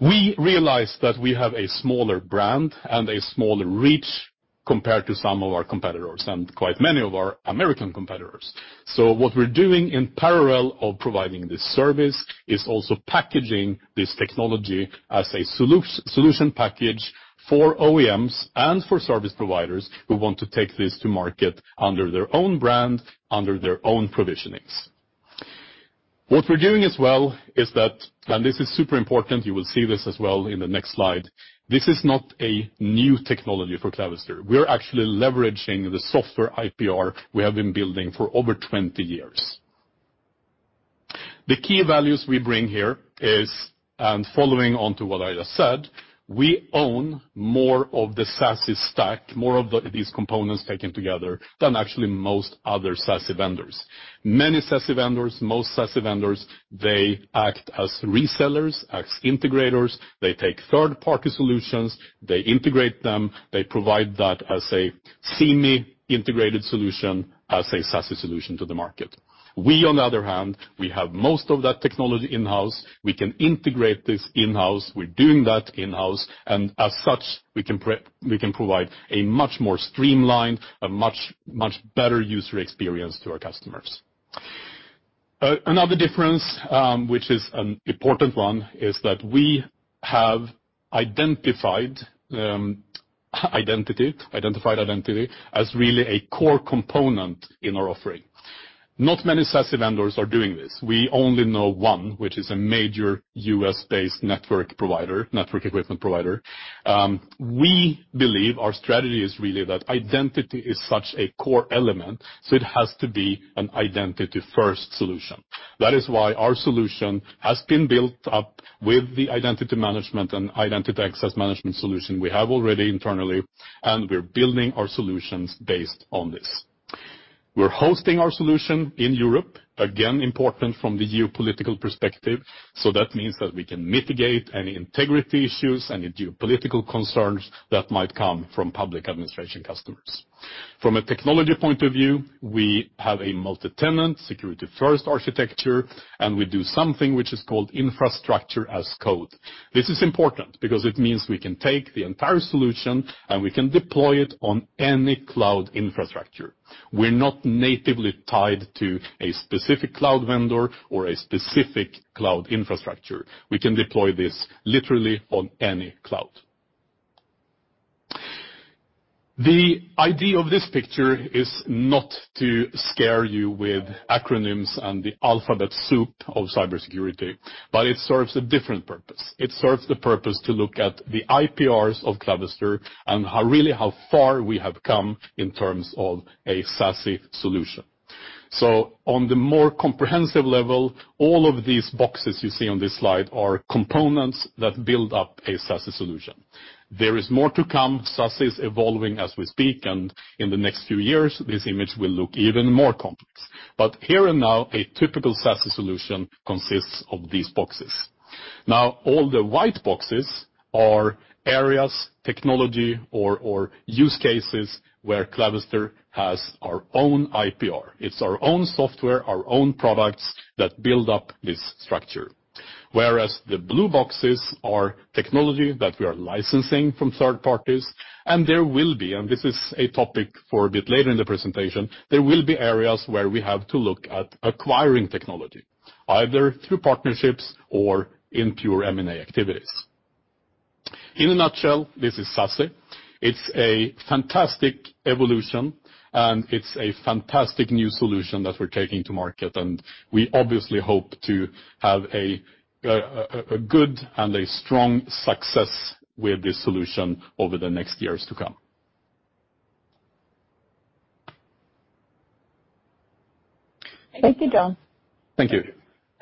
S3: We realize that we have a smaller brand and a smaller reach compared to some of our competitors and quite many of our American competitors. What we're doing in parallel of providing this service is also packaging this technology as a solution package for OEMs and for service providers who want to take this to market under their own brand, under their own provisionings. What we're doing as well is that, and this is super important, you will see this as well in the next slide, this is not a new technology for Clavister. We're actually leveraging the software IPR we have been building for over 20 years. The key values we bring here is, and following on to what I just said, we own more of the SASE stack, more of these components taken together than actually most other SASE vendors. Many SASE vendors, most SASE vendors, they act as resellers, as integrators. They take third-party solutions, they integrate them, they provide that as a semi-integrated solution, as a SASE solution to the market. We' on the other hand, have most of that technology in-house. We can integrate this in-house. We're doing that in-house. As such, we can provide a much more streamlined, a much better user experience to our customers. Another difference, which is an important one, is that we have identified identity as really a core component in our offering. Not many SASE vendors are doing this. We only know one, which is a major U.S.-based network provider, network equipment provider. We believe our strategy is really that identity is such a core element, so it has to be an identity-first solution. That is why our solution has been built up with the identity management and identity access management solution we have already internally, and we're building our solutions based on this. We're hosting our solution in Europe, again, important from the geopolitical perspective. That means that we can mitigate any integrity issues, any geopolitical concerns that might come from public administration customers. From a technology point of view, we have a multitenant security-first architecture, and we do something which is called infrastructure as code. This is important because it means we can take the entire solution and we can deploy it on any cloud infrastructure. We're not natively tied to a specific cloud vendor or a specific cloud infrastructure. We can deploy this literally on any cloud. The idea of this picture is not to scare you with acronyms and the alphabet soup of cybersecurity, but it serves a different purpose. It serves the purpose to look at the IPRs of Clavister and how really how far we have come in terms of a SASE solution. On the more comprehensive level, all of these boxes you see on this slide are components that build up a SASE solution. There is more to come. SASE is evolving as we speak, and in the next few years, this image will look even more complex. Here and now, a typical SASE solution consists of these boxes. Now, all the white boxes are areas, technology, or use cases where Clavister has our own IPR. It's our own software, our own products that build up this structure. The blue boxes are technology that we are licensing from third parties, and there will be, and this is a topic for a bit later in the presentation, there will be areas where we have to look at acquiring technology, either through partnerships or in pure M&A activities. In a nutshell, this is SASE. It's a fantastic evolution, and it's a fantastic new solution that we're taking to market, and we obviously hope to have a good and a strong success with this solution over the next years to come.
S1: Thank you, John.
S3: Thank you.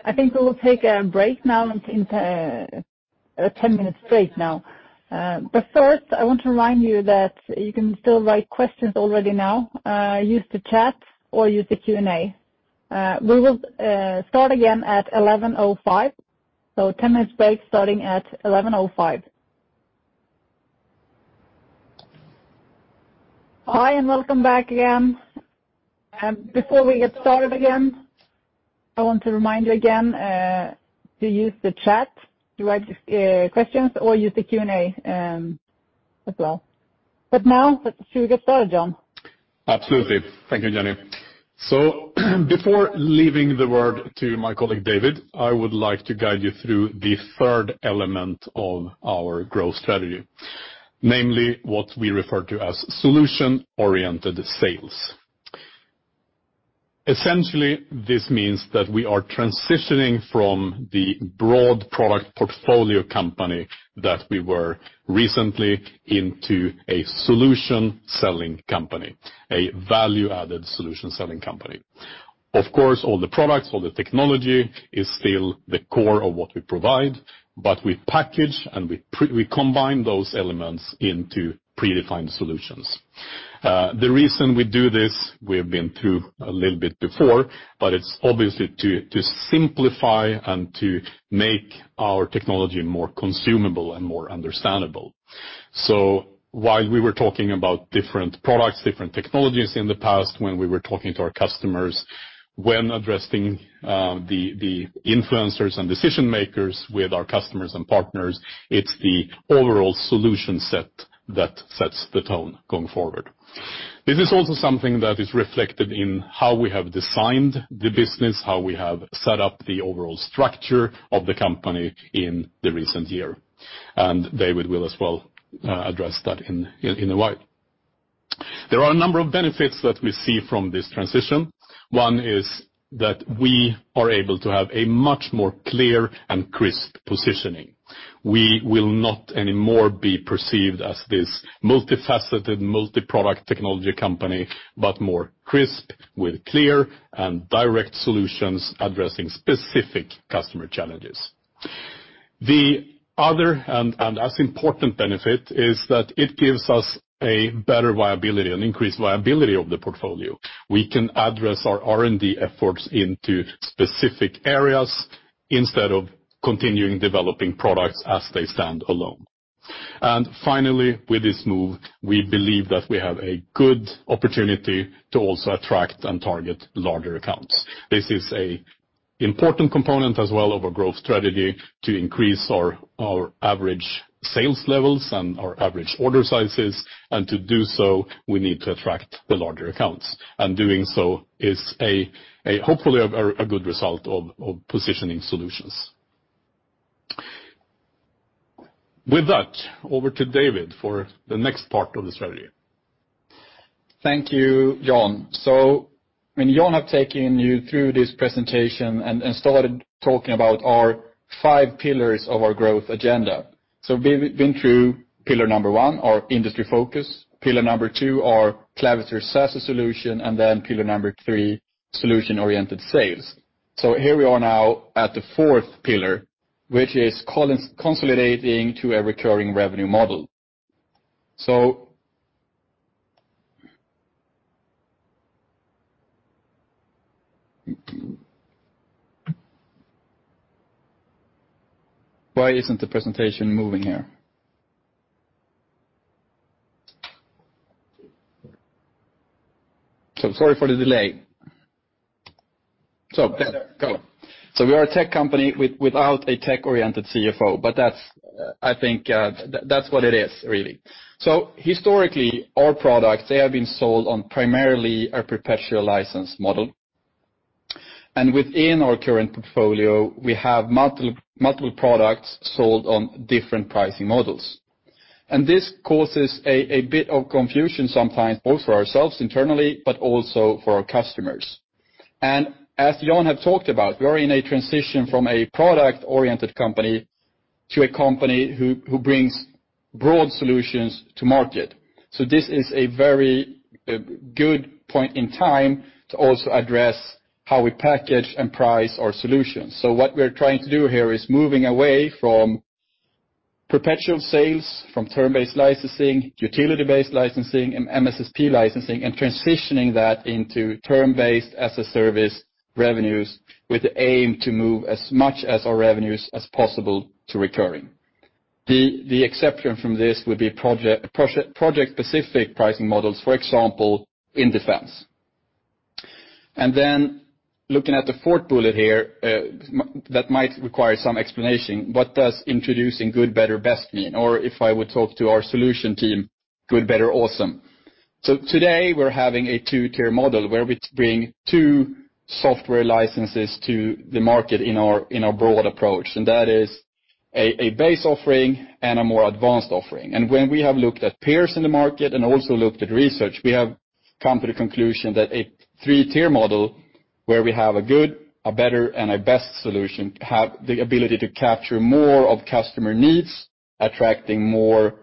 S1: I think we will take a break now. I think a 10-minute break now. First, I want to remind you that you can still write questions already now. Use the chat or use the Q&A. We will start again at 11:05 A.M. A 10-minute break starting at 11:05 A.M. Hi, and welcome back again. Before we get started again, I want to remind you again to use the chat to write questions or use the Q&A as well. Now, should we get started, John?
S3: Absolutely. Thank you, Jenny. Before leaving the word to my colleague, David, I would like to guide you through the third element of our growth strategy, namely what we refer to as solution-oriented sales. Essentially, this means that we are transitioning from the broad product portfolio company that we were recently into a solution selling company, a value-added solution selling company. Of course, all the products, all the technology is still the core of what we provide, but we package and we combine those elements into predefined solutions. The reason we do this, we have been through a little bit before, but it's obviously to simplify and to make our technology more consumable and more understandable. While we were talking about different products, different technologies in the past, when we were talking to our customers, when addressing the influencers and decision-makers with our customers and partners, it's the overall solution set that sets the tone going forward. This is also something that is reflected in how we have designed the business, how we have set up the overall structure of the company in the recent year. David will as well address that in a while. There are a number of benefits that we see from this transition. One is that we are able to have a much more clear and crisp positioning. We will not anymore be perceived as this multifaceted, multiproduct technology company, but more crisp with clear and direct solutions addressing specific customer challenges. The other and as important benefit is that it gives us a better viability, an increased viability of the portfolio. We can address our R&D efforts into specific areas instead of continuing developing products as they stand alone. Finally, with this move, we believe that we have a good opportunity to also attract and target larger accounts. This is a important component as well of our growth strategy to increase our average sales levels and our average order sizes. To do so, we need to attract the larger accounts. Doing so is a hopefully good result of positioning solutions. With that, over to David for the next part of the strategy.
S4: Thank you, John. When John had taken you through this presentation and started talking about our five pillars of our growth agenda. We've been through pillar one, our industry focus, pillar two, our Clavister SASE solution, pillar three, solution-oriented sales. Here we are now at the fourth pillar, which is consolidating to a recurring revenue model. Why isn't the presentation moving here? Sorry for the delay. Go. We are a tech company without a tech-oriented CFO, but that's, I think, that's what it is, really. Historically, our products, they have been sold on primarily a perpetual license model. Within our current portfolio, we have multiple products sold on different pricing models. This causes a bit of confusion sometimes, both for ourselves internally, but also for our customers. As John have talked about, we are in a transition from a product-oriented company to a company who brings broad solutions to market. This is a very good point in time to also address how we package and price our solutions. What we're trying to do here is moving away from perpetual sales, from term-based licensing, utility-based licensing, and MSSP licensing, and transitioning that into term-based as a service revenues with the aim to move as much as our revenues as possible to recurring. The exception from this would be project-specific pricing models, for example, in defense. Looking at the fourth bullet here, that might require some explanation. What does introducing good, better, best mean? If I would talk to our solution team, good, better, awesome. Today, we're having a 2-tier model where we bring two software licenses to the market in our, in our broad approach, and that is a base offering and a more advanced offering. When we have looked at peers in the market and also looked at research, we have come to the conclusion that a 3-tier model where we have a good, a better, and a best solution have the ability to capture more of customer needs, attracting more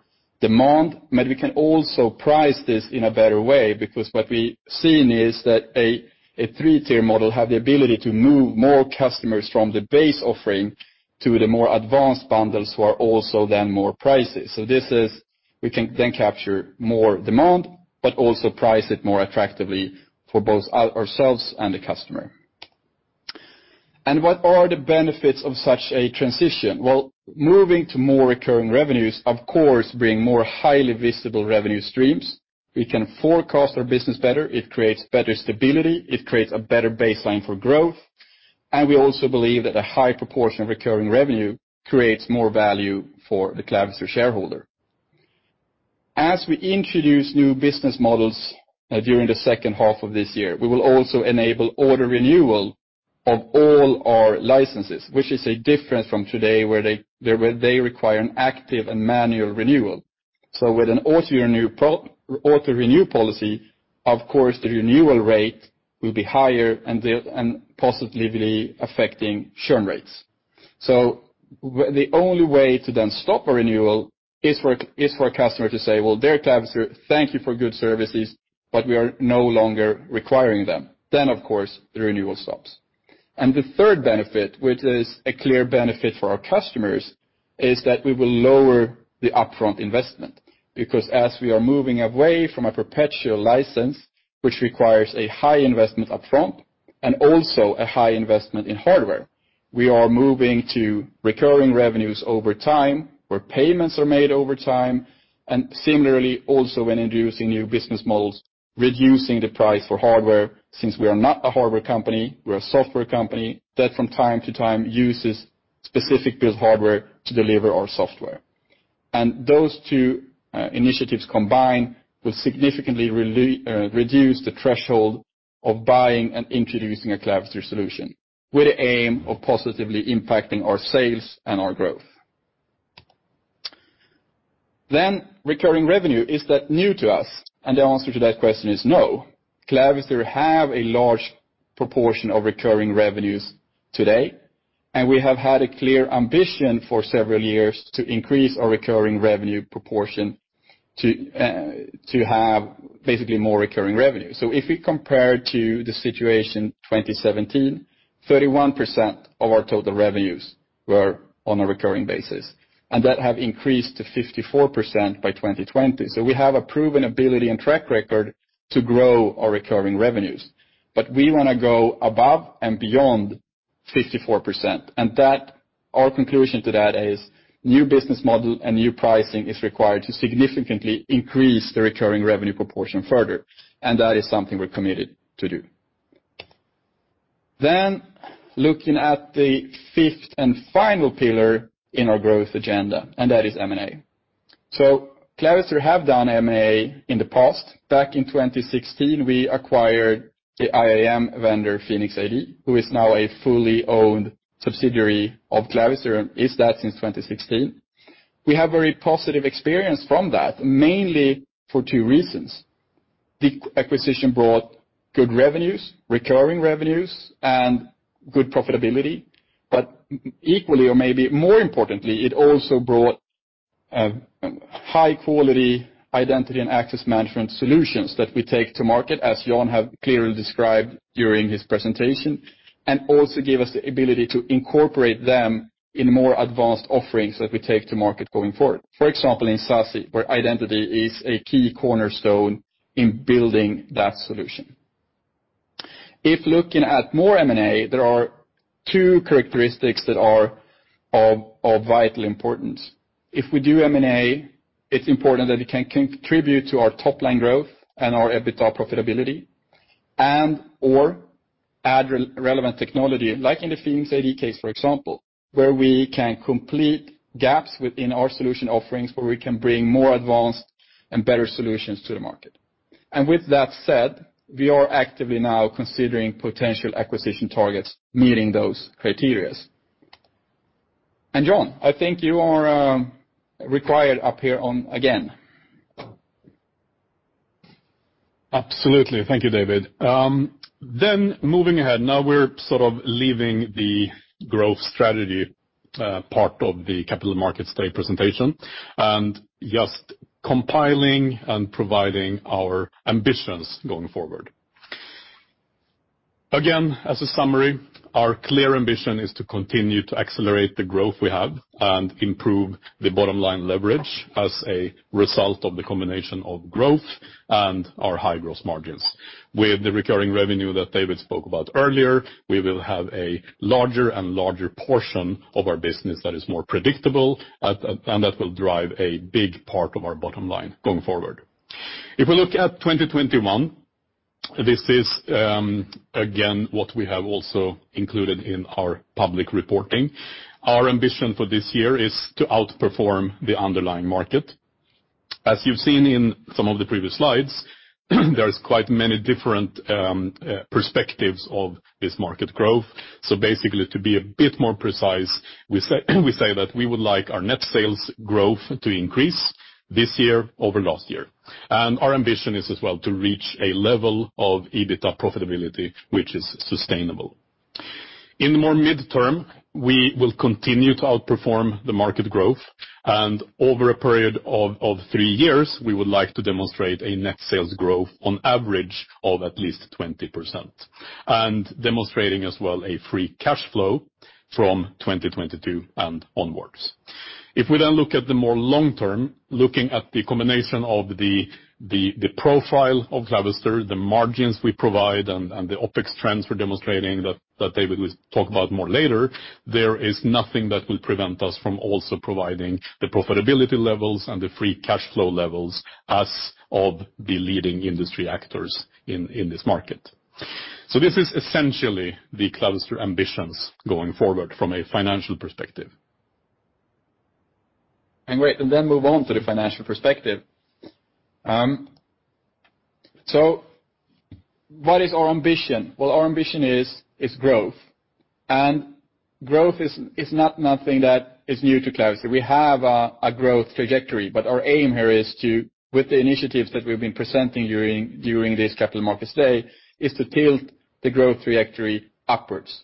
S4: demand. We can also price this in a better way because what we've seen is that a 3-tier model have the ability to move more customers from the base offering to the more advanced bundles who are also then more pricey. This is we can then capture more demand, but also price it more attractively for both ourselves and the customer. What are the benefits of such a transition? Well, moving to more recurring revenues, of course, bring more highly visible revenue streams. We can forecast our business better. It creates better stability. It creates a better baseline for growth. We also believe that a high proportion of recurring revenue creates more value for the Clavister shareholder. As we introduce new business models during the second half of this year, we will also enable auto-renewal of all our licenses, which is a difference from today where they require an active and manual renewal. With an auto-renew policy, of course, the renewal rate will be higher and positively affecting churn rates. The only way to then stop a renewal is for a customer to say, "Well, dear Clavister, thank you for good services, but we are no longer requiring them." Of course, the renewal stops. The third benefit, which is a clear benefit for our customers, is that we will lower the upfront investment. Because as we are moving away from a perpetual license, which requires a high investment upfront and also a high investment in hardware, we are moving to recurring revenues over time, where payments are made over time. Similarly, also when introducing new business models, reducing the price for hardware, since we are not a hardware company, we're a software company that from time to time uses specific build hardware to deliver our software. Those two initiatives combined will significantly reduce the threshold of buying and introducing a Clavister solution with the aim of positively impacting our sales and our growth. Recurring revenue, is that new to us? The answer to that question is no. Clavister have a large proportion of recurring revenues today, and we have had a clear ambition for several years to increase our recurring revenue proportion to have basically more recurring revenue. If we compare to the situation 2017, 31% of our total revenues were on a recurring basis, and that have increased to 54% by 2020. We have a proven ability and track record to grow our recurring revenues. We wanna go above and beyond 54%. That, our conclusion to that is new business model and new pricing is required to significantly increase the recurring revenue proportion further. That is something we're committed to do. Looking at the fifth and final pillar in our growth agenda, and that is M&A. Clavister have done M&A in the past. Back in 2016, we acquired the IAM vendor, PhenixID, who is now a fully owned subsidiary of Clavister, and is that since 2016. We have very positive experience from that, mainly for two reasons. The acquisition brought good revenues, recurring revenues, and good profitability. Equally, or maybe more importantly, it also brought high quality identity and access management solutions that we take to market, as John have clearly described during his presentation, and also gave us the ability to incorporate them in more advanced offerings that we take to market going forward. For example, in SASE, where identity is a key cornerstone in building that solution. Looking at more M&A, there are two characteristics that are of vital importance. We do M&A, it's important that it can contribute to our top-line growth and our EBITDA profitability, and/or add relevant technology, like in the PhenixID case, for example, where we can complete gaps within our solution offerings, where we can bring more advanced and better solutions to the market. With that said, we are actively now considering potential acquisition targets meeting those criteria. John, I think you are required up here again.
S3: Absolutely. Thank you, David. Moving ahead, now we're sort of leaving the growth strategy part of the capital markets day presentation, and just compiling and providing our ambitions going forward. Again, as a summary, our clear ambition is to continue to accelerate the growth we have and improve the bottom line leverage as a result of the combination of growth and our high growth margins. With the recurring revenue that David spoke about earlier, we will have a larger and larger portion of our business that is more predictable, and that will drive a big part of our bottom line going forward. If we look at 2021, this is, again, what we have also included in our public reporting. Our ambition for this year is to outperform the underlying market. As you've seen in some of the previous slides, there's quite many different perspectives of this market growth. Basically, to be a bit more precise, we say that we would like our net sales growth to increase this year over last year. Our ambition is as well to reach a level of EBITDA profitability which is sustainable. In the more midterm, we will continue to outperform the market growth, and over a period of three years, we would like to demonstrate a net sales growth on average of at least 20%, and demonstrating as well a free cash flow from 2022 and onwards. We then look at the more long term, looking at the combination of the profile of Clavister, the margins we provide, and the OpEx trends we're demonstrating that David will talk about more later, there is nothing that will prevent us from also providing the profitability levels and the free cash flow levels as of the leading industry actors in this market. This is essentially the Clavister ambitions going forward from a financial perspective.
S4: Great. Then move on to the financial perspective. What is our ambition? Our ambition is growth. Growth is not nothing that is new to Clavister. We have a growth trajectory, but our aim here is to, with the initiatives that we've been presenting during this capital markets day, is to tilt the growth trajectory upwards.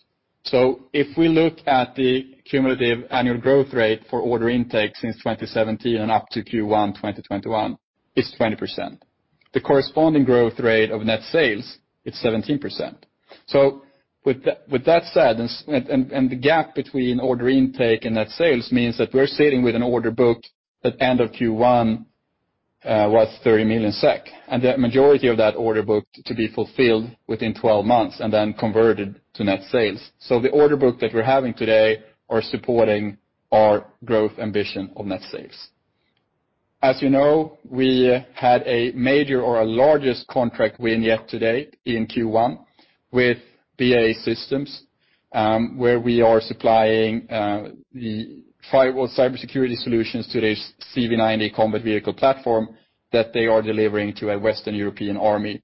S4: If we look at the cumulative annual growth rate for order intake since 2017 and up to Q1 2021, it's 20%. The corresponding growth rate of net sales, it's 17%. With that said, and the gap between order intake and net sales means that we're sitting with an order book that end of Q1 was 30 million SEK, and the majority of that order book to be fulfilled within 12 months and then converted to net sales. The order book that we're having today are supporting our growth ambition of net sales. As you know, we had a major or a largest contract win yet to date in Q1 with BAE Systems, where we are supplying the firewall cybersecurity solutions to their CV90 combat vehicle platform that they are delivering to a Western European army.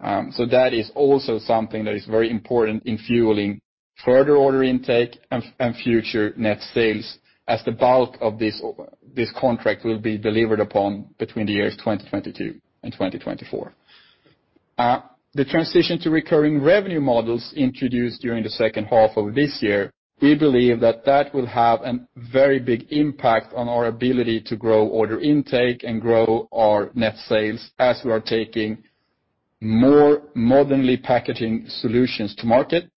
S4: That is also something that is very important in fueling further order intake and future net sales, as the bulk of this contract will be delivered upon between the years 2022 and 2024. The transition to recurring revenue models introduced during the second half of this year, we believe that will have a very big impact on our ability to grow order intake and grow our net sales as we are taking more modernly packaging solutions to market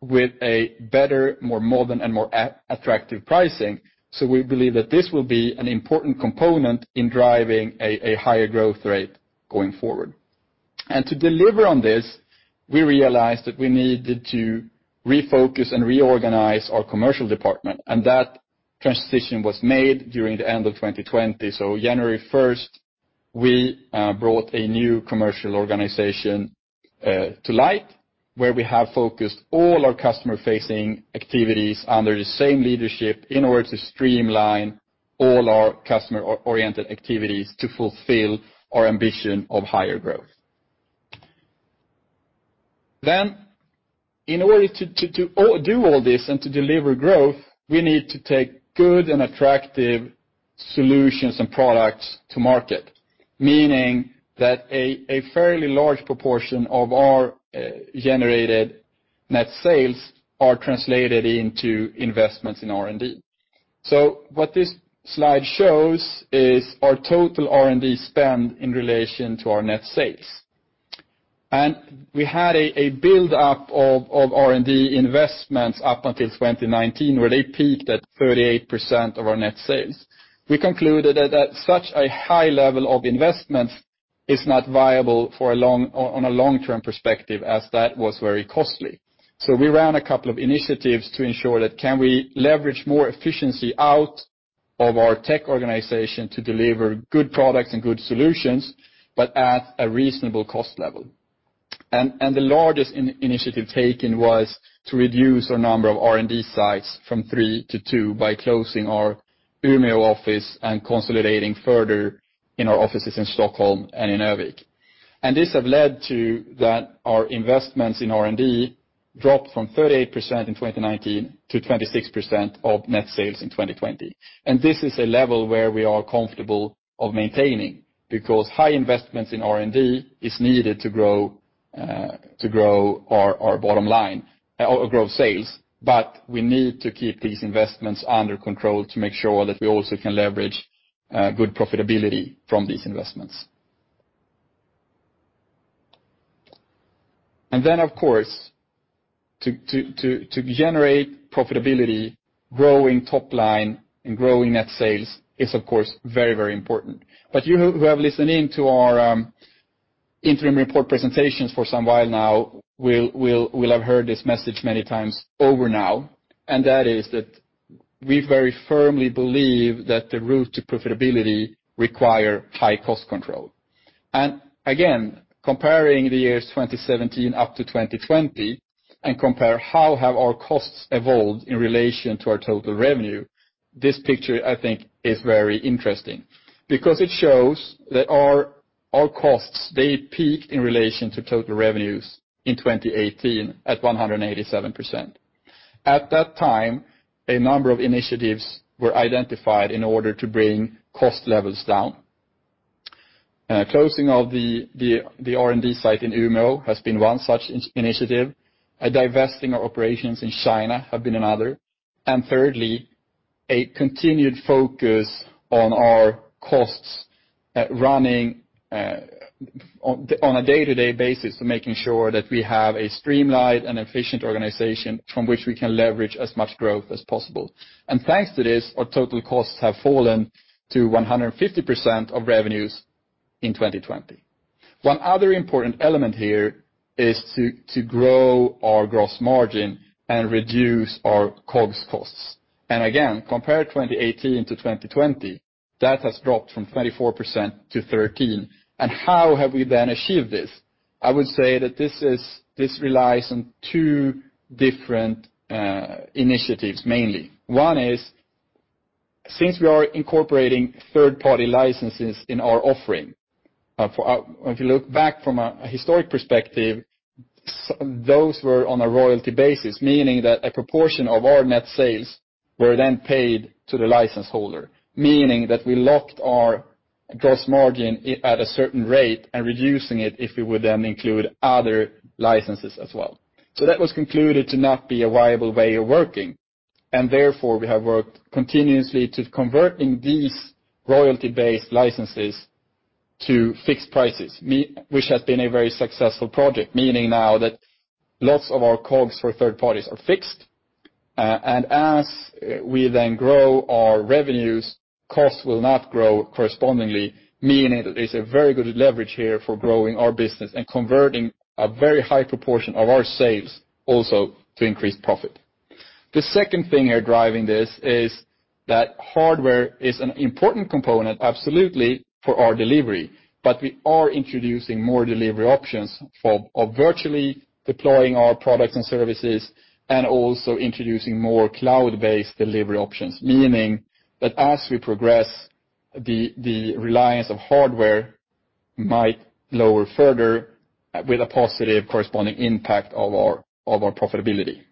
S4: with a better, more modern, and more attractive pricing. We believe that this will be an important component in driving a higher growth rate going forward. To deliver on this, we realized that we needed to refocus and reorganize our commercial department, and that transition was made during the end of 2020. January 1st, we brought a new commercial organization to light, where we have focused all our customer-facing activities under the same leadership in order to streamline all our customer-oriented activities to fulfill our ambition of higher growth. In order to do all this and to deliver growth, we need to take good and attractive solutions and products to market. Meaning that a fairly large proportion of our generated net sales are translated into investments in R&D. What this slide shows is our total R&D spend in relation to our net sales. We had a build-up of R&D investments up until 2019, where they peaked at 38% of our net sales. We concluded that at such a high level of investment is not viable on a long-term perspective, as that was very costly. We ran a couple of initiatives to ensure that can we leverage more efficiency out of our tech organization to deliver good products and good solutions, but at a reasonable cost level. The largest initiative taken was to reduce our number of R&D sites from three to two by closing our Umeå office and consolidating further in our offices in Stockholm and in Örnsköldsvik. This have led to that our investments in R&D dropped from 38% in 2019 to 26% of net sales in 2020. This is a level where we are comfortable of maintaining, because high investments in R&D is needed to grow to grow our bottom line or grow sales. We need to keep these investments under control to make sure that we also can leverage good profitability from these investments. Then, of course, to generate profitability, growing top line and growing net sales is of course very, very important. You who have listened in to our interim report presentations for some while now will have heard this message many times over now, and that is that we very firmly believe that the route to profitability require high cost control. Again, comparing the years 2017 up to 2020 and compare how have our costs evolved in relation to our total revenue, this picture, I think, is very interesting. It shows that our costs, they peak in relation to total revenues in 2018 at 187%. At that time, a number of initiatives were identified in order to bring cost levels down. Closing of the R&D site in Umeå has been one such initiative. Divesting our operations in China have been another. Thirdly, a continued focus on our costs at running on a day-to-day basis for making sure that we have a streamlined and efficient organization from which we can leverage as much growth as possible. Thanks to this, our total costs have fallen to 150% of revenues in 2020. One other important element here is to grow our gross margin and reduce our COGS costs. Again, compare 2018 to 2020, that has dropped from 34% to 13%. How have we then achieved this? I would say that this relies on two different initiatives mainly. One is, since we are incorporating third-party licenses in our offering, for, if you look back from a historic perspective, those were on a royalty basis, meaning that a proportion of our net sales were then paid to the license holder. Meaning that we locked our gross margin at a certain rate and reducing it if we would then include other licenses as well. That was concluded to not be a viable way of working, and therefore we have worked continuously to converting these royalty-based licenses to fixed prices. which has been a very successful project, meaning now that lots of our COGS for third parties are fixed. As we then grow our revenues, costs will not grow correspondingly, meaning that there's a very good leverage here for growing our business and converting a very high proportion of our sales also to increase profit. The second thing here driving this is that hardware is an important component absolutely for our delivery, but we are introducing more delivery options for, of virtually deploying our products and services, and also introducing more cloud-based delivery options. Meaning that as we progress, the reliance of hardware might lower further with a positive corresponding impact of our profitability.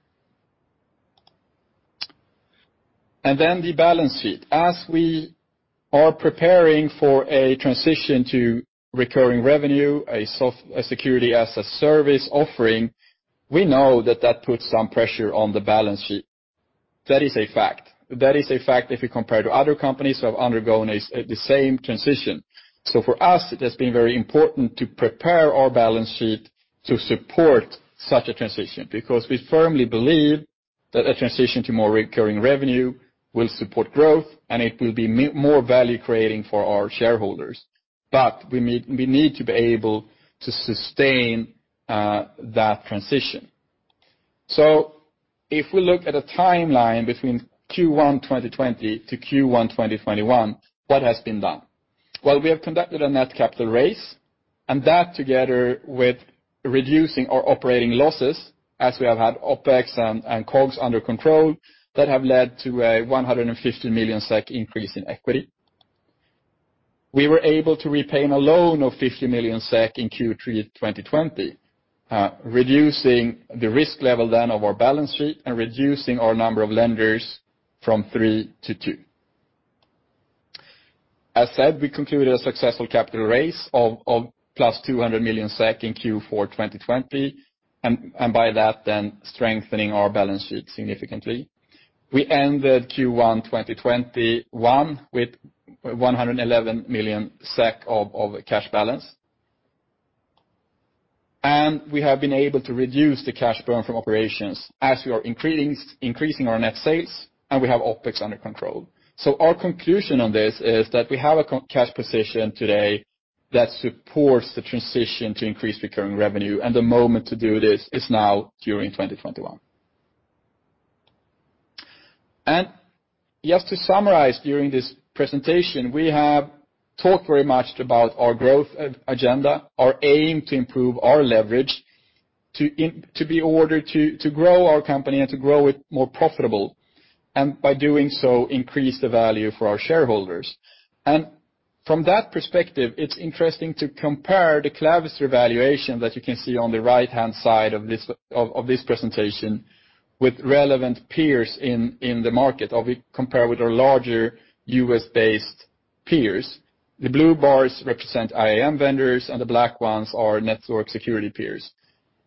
S4: The balance sheet. As we are preparing for a transition to recurring revenue, a security-as-a-service offering, we know that that puts some pressure on the balance sheet. That is a fact. That is a fact if we compare to other companies who have undergone the same transition. For us, it has been very important to prepare our balance sheet to support such a transition. Because we firmly believe that a transition to more recurring revenue will support growth, and it will be more value-creating for our shareholders. We need to be able to sustain that transition. If we look at a timeline between Q1 2020 to Q1 2021, what has been done? Well, we have conducted a net capital raise, and that together with reducing our operating losses as we have had OpEx and COGS under control, that have led to a 150 million SEK increase in equity. We were able to repay a loan of 50 million SEK in Q3 2020, reducing the risk level then of our balance sheet and reducing our number of lenders from three to two. As said, we concluded a successful capital raise of +200 million SEK in Q4 2020, and by that then strengthening our balance sheet significantly. We ended Q1 2021 with 111 million SEK of cash balance. We have been able to reduce the cash burn from operations as we are increasing our net sales, and we have OpEx under control. Our conclusion on this is that we have a cash position today that supports the transition to increase recurring revenue, and the moment to do this is now during 2021. Just to summarize, during this presentation, we have talked very much about our growth agenda, our aim to improve our leverage to grow our company and to grow it more profitable, and by doing so, increase the value for our shareholders. From that perspective, it's interesting to compare the Clavister valuation that you can see on the right-hand side of this presentation with relevant peers in the market, or we compare with our larger U.S.-based peers. The blue bars represent IAM vendors, and the black ones are network security peers.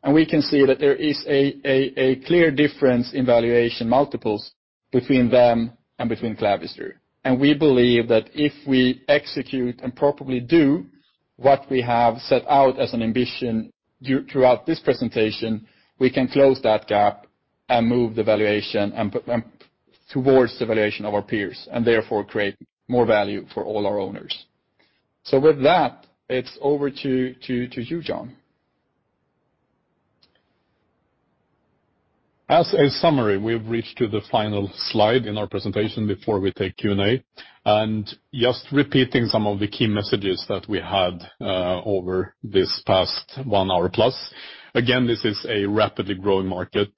S4: We can see that there is a clear difference in valuation multiples between them and between Clavister. We believe that if we execute and properly do what we have set out as an ambition throughout this presentation, we can close that gap and move the valuation and put them towards the valuation of our peers, and therefore create more value for all our owners. With that, it's over to you, John.
S3: As a summary, we've reached to the final slide in our presentation before we take Q&A. Just repeating some of the key messages that we had over this past 1+ hour. Again, this is a rapidly growing market.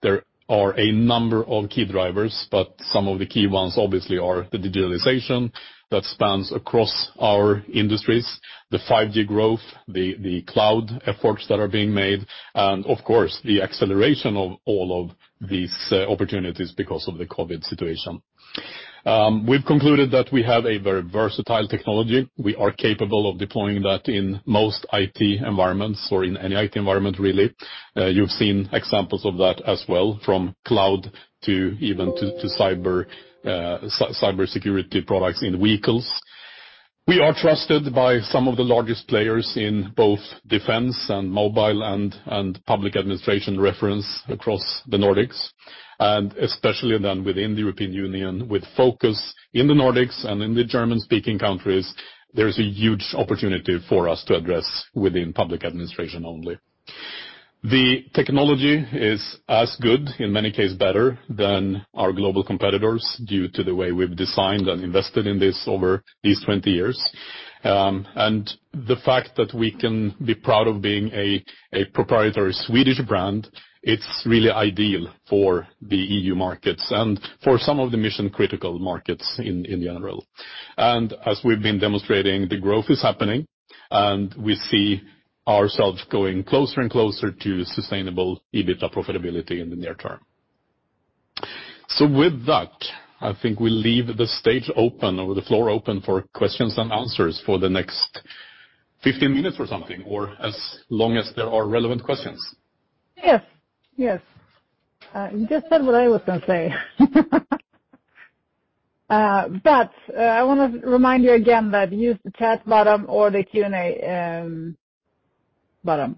S3: There are a number of key drivers, but some of the key ones obviously are the digitalization that spans across our industries, the 5G growth, the cloud efforts that are being made, and of course, the acceleration of all of these opportunities because of the COVID-19 situation. We've concluded that we have a very versatile technology. We are capable of deploying that in most IT environments or in any IT environment, really. You've seen examples of that as well, from cloud to even to cybersecurity products in vehicles. We are trusted by some of the largest players in both defense and mobile and public administration reference across the Nordics, and especially within the European Union, with focus in the Nordics and in the German-speaking countries, there is a huge opportunity for us to address within public administration only. The technology is as good, in many cases, better than our global competitors due to the way we've designed and invested in this over these 20 years. The fact that we can be proud of being a proprietary Swedish brand, it's really ideal for the EU markets and for some of the mission-critical markets in general. As we've been demonstrating, the growth is happening, and we see ourselves going closer and closer to sustainable EBITDA profitability in the near term. With that, I think we leave the stage open or the floor open for questions and answers for the next 15 minutes or something, or as long as there are relevant questions.
S1: Yes. Yes. You just said what I was gonna say. I wanna remind you again that use the chat button or the Q&A button.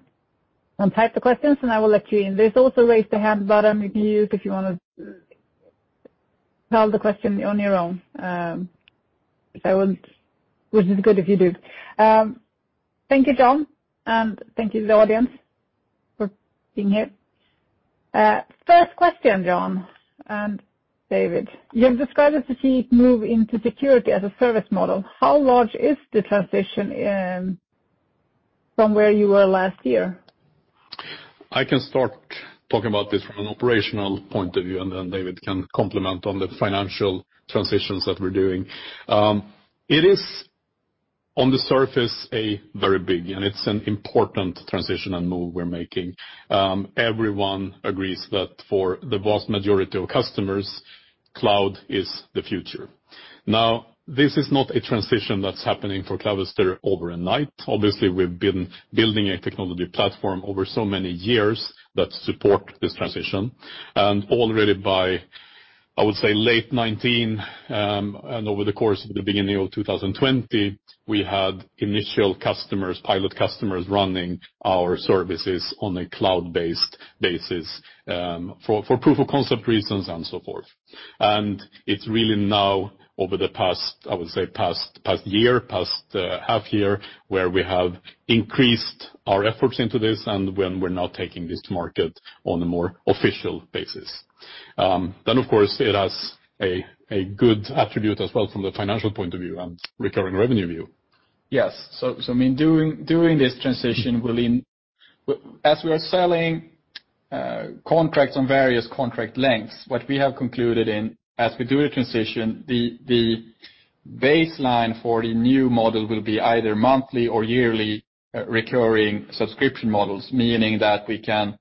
S1: Type the questions, and I will let you in. There's also raise the hand button you can use if you wanna tell the question on your own, which is good if you do. Thank you, John, and thank you to the audience for being here. First question, John and David. You have described the key move into security as a service model. How large is the transition from where you were last year?
S3: I can start talking about this from an operational point of view, and then David can complement on the financial transitions that we're doing. It is on the surface a very big, and it's an important transition and move we're making. Everyone agrees that for the vast majority of customers, cloud is the future. This is not a transition that's happening for Clavister over one night. Obviously, we've been building a technology platform over so many years that support this transition. Already by, I would say, late 2019, and over the course of the beginning of 2020, we had initial customers, pilot customers running our services on a cloud-based basis, for proof of concept reasons and so forth. It's really now over the past, I would say, past year, half year, where we have increased our efforts into this and when we're now taking this to market on a more official basis. Of course, it has a good attribute as well from the financial point of view and recurring revenue view.
S4: Yes. Doing this transition will as we are selling contracts on various contract lengths. What we have concluded in, as we do the transition, the baseline for the new model will be either monthly or yearly recurring subscription models, meaning that we can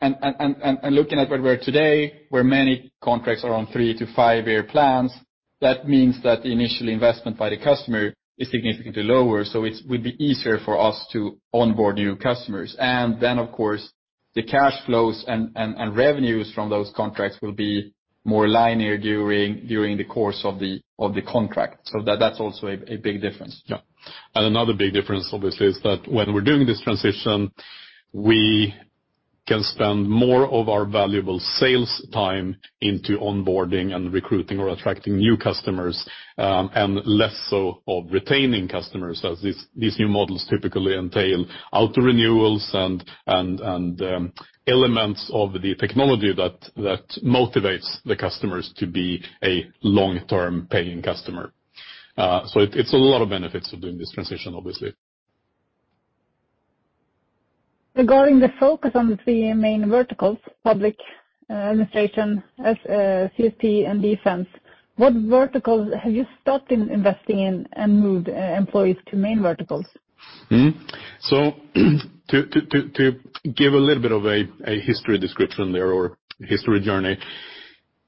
S4: And looking at where we are today, where many contracts are on three to five-year plans, that means that the initial investment by the customer is significantly lower, so it will be easier for us to onboard new customers. Of course, the cash flows and revenues from those contracts will be more linear during the course of the contract. That's also a big difference.
S3: Yeah. Another big difference, obviously, is that when we're doing this transition, we can spend more of our valuable sales time into onboarding and recruiting or attracting new customers, and less so of retaining customers, as these new models typically entail auto-renewals and elements of the technology that motivates the customers to be a long-term paying customer. It's a lot of benefits of doing this transition, obviously.
S1: Regarding the focus on the three main verticals, public administration, as CSP, and defense, what verticals have you stopped in investing in and moved employees to main verticals?
S3: To give a little bit of a history description there or history journey.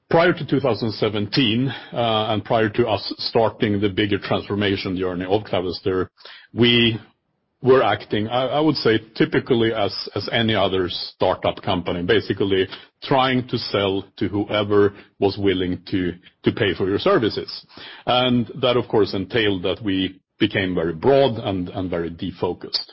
S3: Prior to 2017, and prior to us starting the bigger transformation journey of Clavister, we were acting, I would say typically as any other startup company, basically trying to sell to whoever was willing to pay for your services. That, of course, entailed that we became very broad and very defocused.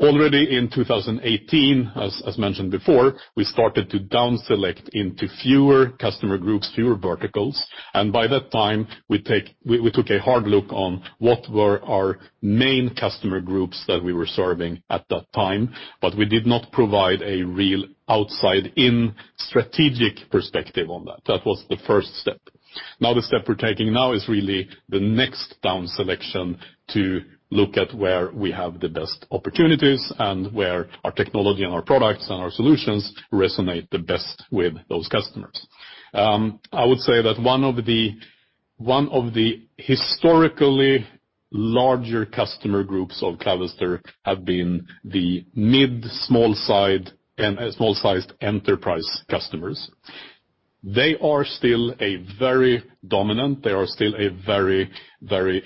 S3: Already in 2018, as mentioned before, we started to down select into fewer customer groups, fewer verticals. By that time, we took a hard look on what were our main customer groups that we were serving at that time, but we did not provide a real outside-in strategic perspective on that. That was the first step. The step we're taking now is really the next down selection to look at where we have the best opportunities and where our technology and our products and our solutions resonate the best with those customers. I would say that one of the historically larger customer groups of Clavister have been the mid, small side, and small-sized enterprise customers. They are still a very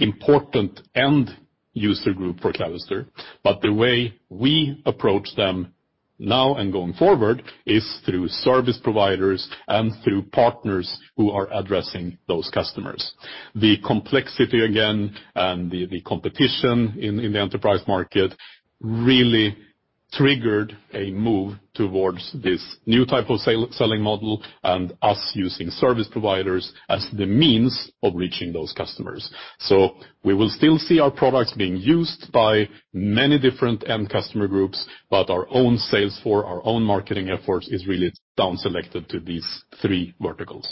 S3: important end user group for Clavister. The way we approach them now and going forward is through service providers and through partners who are addressing those customers. The complexity again and the competition in the enterprise market really triggered a move towards this new type of selling model and us using service providers as the means of reaching those customers. We will still see our products being used by many different end customer groups, but our own sales floor, our own marketing efforts is really down selected to these three verticals.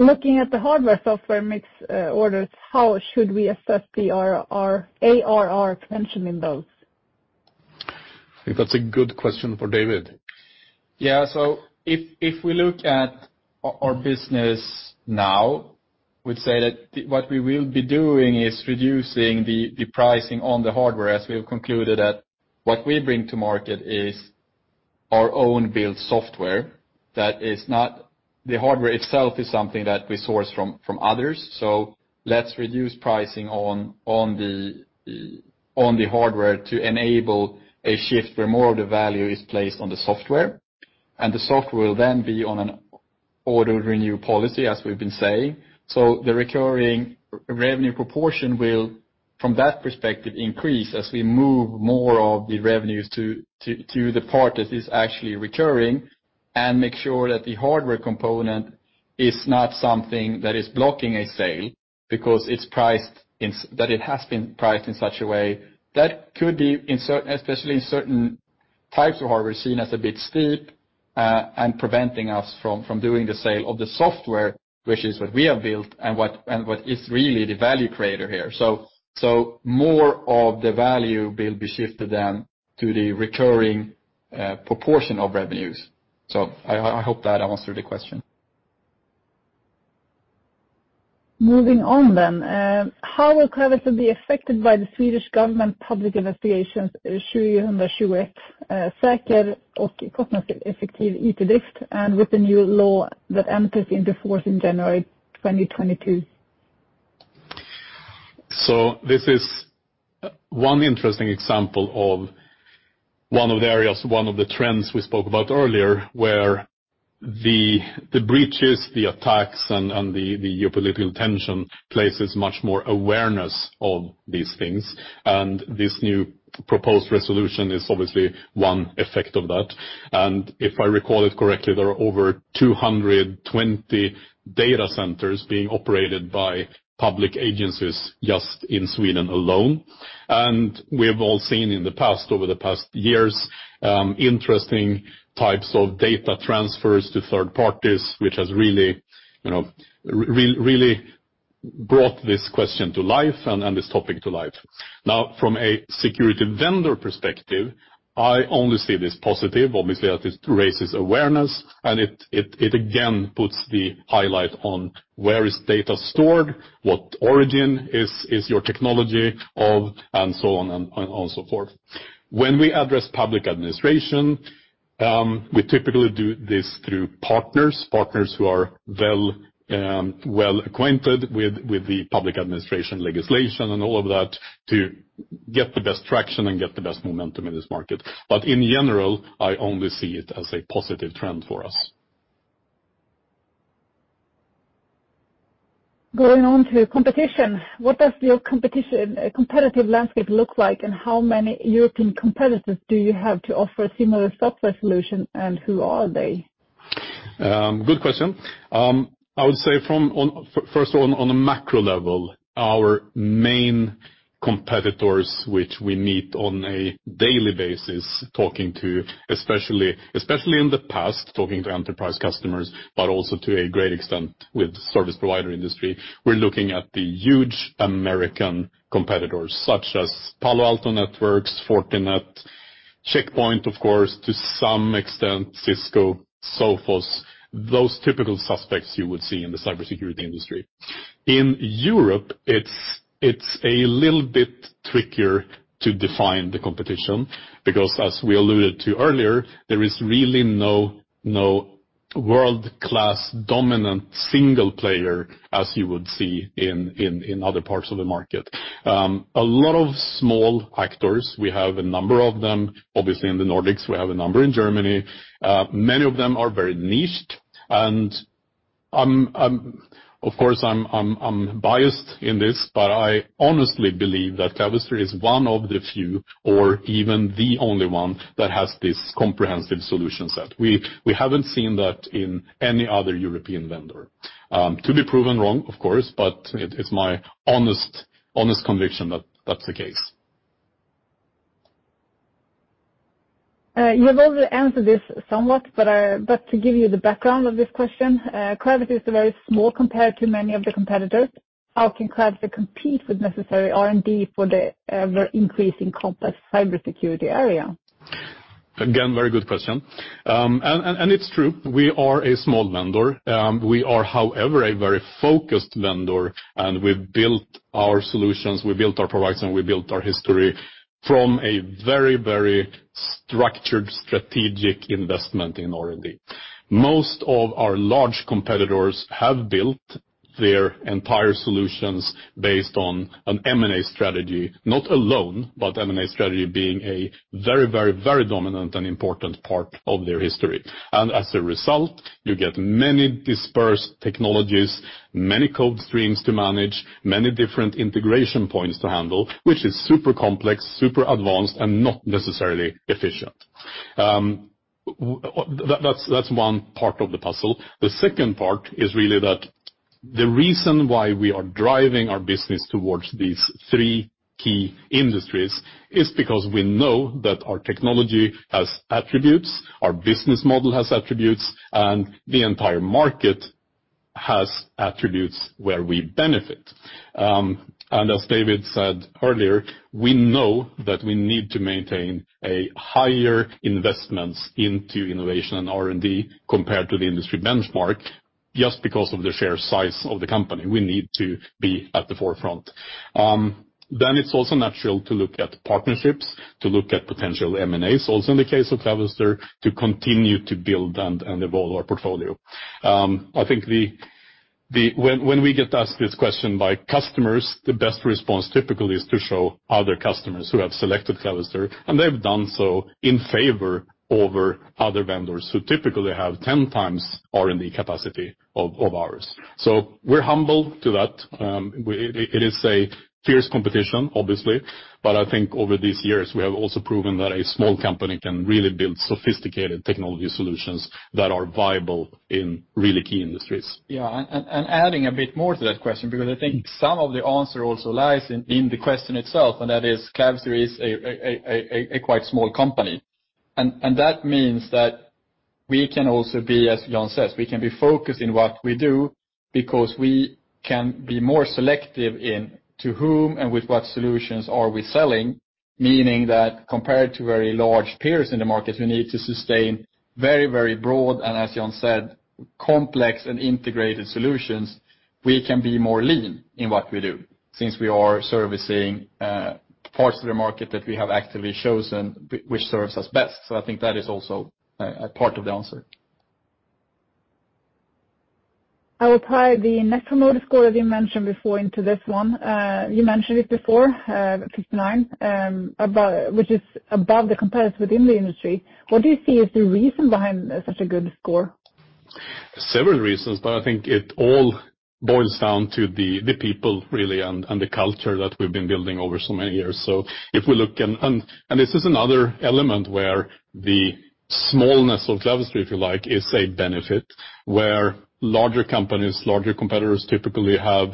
S1: Looking at the hardware-software mix, orders, how should we assess the ARR mentioned in those?
S3: I think that's a good question for David.
S4: Yeah. If we look at our business now, we'd say that what we will be doing is reducing the pricing on the hardware, as we have concluded that what we bring to market is our own built software that is not the hardware itself is something that we source from others. Let's reduce pricing on the hardware to enable a shift where more of the value is placed on the software. The software will then be on an auto-renew policy, as we've been saying. The recurring revenue proportion will, from that perspective, increase as we move more of the revenues to the part that is actually recurring and make sure that the hardware component is not something that is blocking a sale because it's priced in such a way that could be especially in certain types of hardware, seen as a bit steep, and preventing us from doing the sale of the software, which is what we have built and what is really the value creator here. More of the value will be shifted then to the recurring proportion of revenues. I hope that answered the question.
S1: Moving on then. How will Clavister be affected by the Swedish government public investigation, SOU 2021:1, Säker och kostnadseffektiv it-drift, and with the new law that enters into force in January 2022?
S3: This is one interesting example of one of the areas, one of the trends we spoke about earlier, where the breaches, the attacks and the geopolitical tension places much more awareness on these things, and this new proposed resolution is obviously one effect of that. If I recall it correctly, there are over 220 data centers being operated by public agencies just in Sweden alone. We have all seen in the past, over the past years, interesting types of data transfers to third parties, which has really, you know, brought this question to life and this topic to life. From a security vendor perspective, I only see this positive. Obviously, that it raises awareness and it again puts the highlight on where is data stored, what origin is your technology of, and so on and so forth. When we address public administration, we typically do this through partners. Partners who are well, well-acquainted with the public administration legislation and all of that to get the best traction and get the best momentum in this market. In general, I only see it as a positive trend for us.
S1: Going on to competition. What does your competitive landscape look like, and how many European competitors do you have to offer a similar software solution, and who are they?
S3: Good question. I would say first on a macro level, our main competitors, which we meet on a daily basis, talking to, especially in the past, talking to enterprise customers, but also to a great extent with service provider industry. We're looking at the huge American competitors, such as Palo Alto Networks, Fortinet, Check Point, of course, to some extent Cisco, Sophos, those typical suspects you would see in the cybersecurity industry. In Europe, it's a little bit trickier to define the competition because as we alluded to earlier, there is really no world-class dominant single player as you would see in other parts of the market. A lot of small actors, we have a number of them, obviously in the Nordics, we have a number in Germany. Many of them are very niched. I'm, of course, I'm biased in this, but I honestly believe that Clavister is one of the few or even the only one that has this comprehensive solution set. We haven't seen that in any other European vendor. To be proven wrong, of course, but it's my honest conviction that that's the case.
S1: You have already answered this somewhat, to give you the background of this question, Clavister is very small compared to many of the competitors. How can Clavister compete with necessary R&D for the ever-increasing complex cybersecurity area?
S3: Very good question. It's true, we are a small vendor. We are, however, a very focused vendor, we've built our solutions, we built our products, and we built our history from a very structured strategic investment in R&D. Most of our large competitors have built their entire solutions based on an M&A strategy, not alone, but M&A strategy being a very dominant and important part of their history. As a result, you get many dispersed technologies, many code streams to manage, many different integration points to handle, which is super complex, super advanced, and not necessarily efficient. That's one part of the puzzle. The second part is really that the reason why we are driving our business towards these three key industries is because we know that our technology has attributes, our business model has attributes, and the entire market has attributes where we benefit. As David said earlier, we know that we need to maintain a higher investments into innovation and R&D compared to the industry benchmark. Just because of the fair size of the company, we need to be at the forefront. It's also natural to look at partnerships, to look at potential M&As, also in the case of Clavister, to continue to build and evolve our portfolio. I think when we get asked this question by customers, the best response typically is to show other customers who have selected Clavister, and they've done so in favor over other vendors who typically have 10x R&D capacity of ours. We're humble to that. It is a fierce competition, obviously, but I think over these years, we have also proven that a small company can really build sophisticated technology solutions that are viable in really key industries.
S4: Yeah. Adding a bit more to that question, because I think some of the answer also lies in the question itself, and that is Clavister is a quite small company. That means that we can also be, as John says, we can be focused in what we do because we can be more selective in to whom and with what solutions are we selling. Meaning that compared to very large peers in the market who need to sustain very broad, and as John said, complex and integrated solutions, we can be more lean in what we do since we are servicing parts of the market that we have actively chosen which serves us best. I think that is also a part of the answer.
S1: I'll tie the Net Promoter Score that you mentioned before into this one. You mentioned it before, 59, which is above the competitors within the industry. What do you see is the reason behind such a good score?
S3: Several reasons. I think it all boils down to the people really and the culture that we've been building over so many years. If we look, and this is another element where the smallness of Clavister, if you like, is a benefit. Where larger companies, larger competitors typically have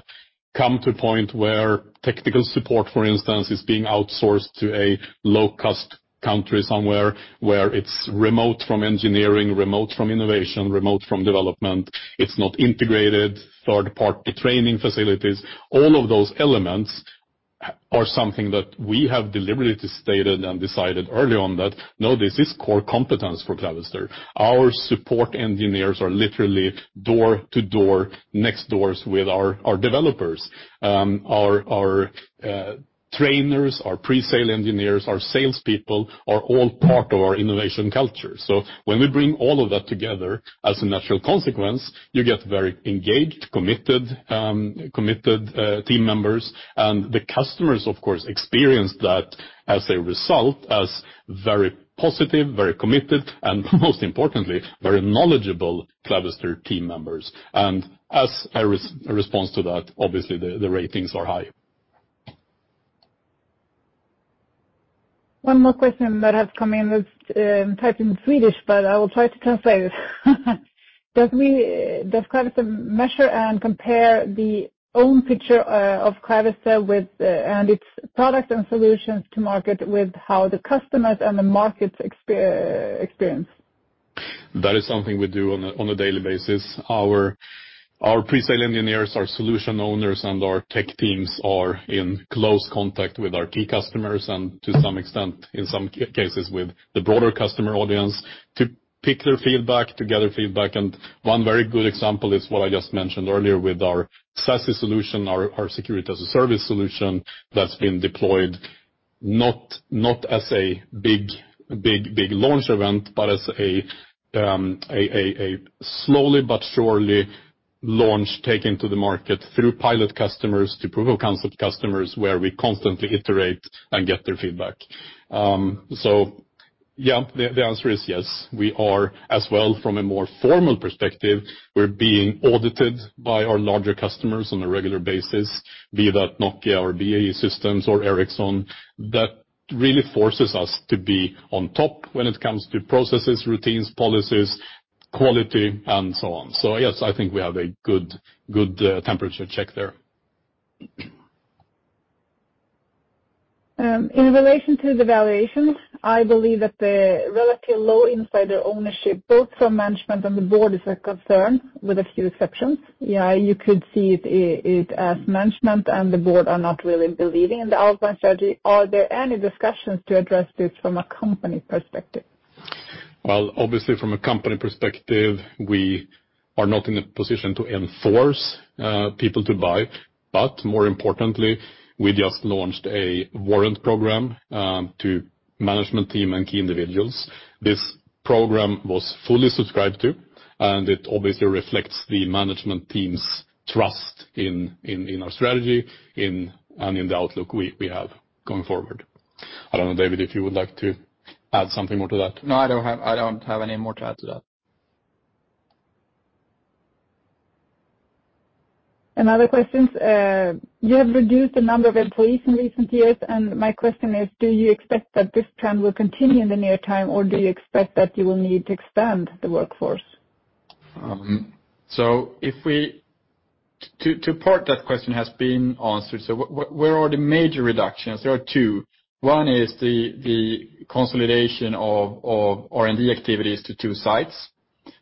S3: come to a point where technical support, for instance, is being outsourced to a low-cost country somewhere where it's remote from engineering, remote from innovation, remote from development. It's not integrated third-party training facilities. All of those elements or something that we have deliberately stated and decided early on that, no, this is core competence for Clavister. Our support engineers are literally door to door, next doors with our developers. Our trainers, our pre-sale engineers, our salespeople are all part of our innovation culture. When we bring all of that together, as a natural consequence, you get very engaged, committed team members. The customers, of course, experience that as a result, as very positive, very committed, and most importantly, very knowledgeable Clavister team members. As a response to that, obviously, the ratings are high.
S1: One more question that has come in is typed in Swedish, but I will try to translate it. Does Clavister measure and compare the own picture of Clavister with and its products and solutions to market with how the customers and the markets experience?
S3: That is something we do on a daily basis. Our pre-sale engineers, our solution owners, and our tech teams are in close contact with our key customers and to some extent, in some cases, with the broader customer audience to pick their feedback, to gather feedback. One very good example is what I just mentioned earlier with our SASE solution, our security as a service solution that's been deployed not as a big launch event, but as a slowly but surely launch taken to the market through pilot customers to proof-of-concept customers where we constantly iterate and get their feedback. Yeah, the answer is yes. We are as well, from a more formal perspective, we're being audited by our larger customers on a regular basis, be that Nokia or BAE Systems or Ericsson. That really forces us to be on top when it comes to processes, routines, policies, quality, and so on. Yes, I think we have a good temperature check there.
S1: In relation to the valuations, I believe that the relatively low insider ownership, both from management and the board, is a concern with a few exceptions. You could see it as management and the board are not really believing in the outline strategy. Are there any discussions to address this from a company perspective?
S3: Well, obviously from a company perspective, we are not in a position to enforce people to buy. More importantly, we just launched a warrant program to management team and key individuals. This program was fully subscribed to, and it obviously reflects the management team's trust in our strategy and in the outlook we have going forward. I don't know, David, if you would like to add something more to that.
S4: No, I don't have any more to add to that.
S1: Another questions. You have reduced the number of employees in recent years. My question is, do you expect that this trend will continue in the near time, or do you expect that you will need to expand the workforce?
S4: That question has been answered. Where are the major reductions? There are two. One is the consolidation of R&D activities to two sites.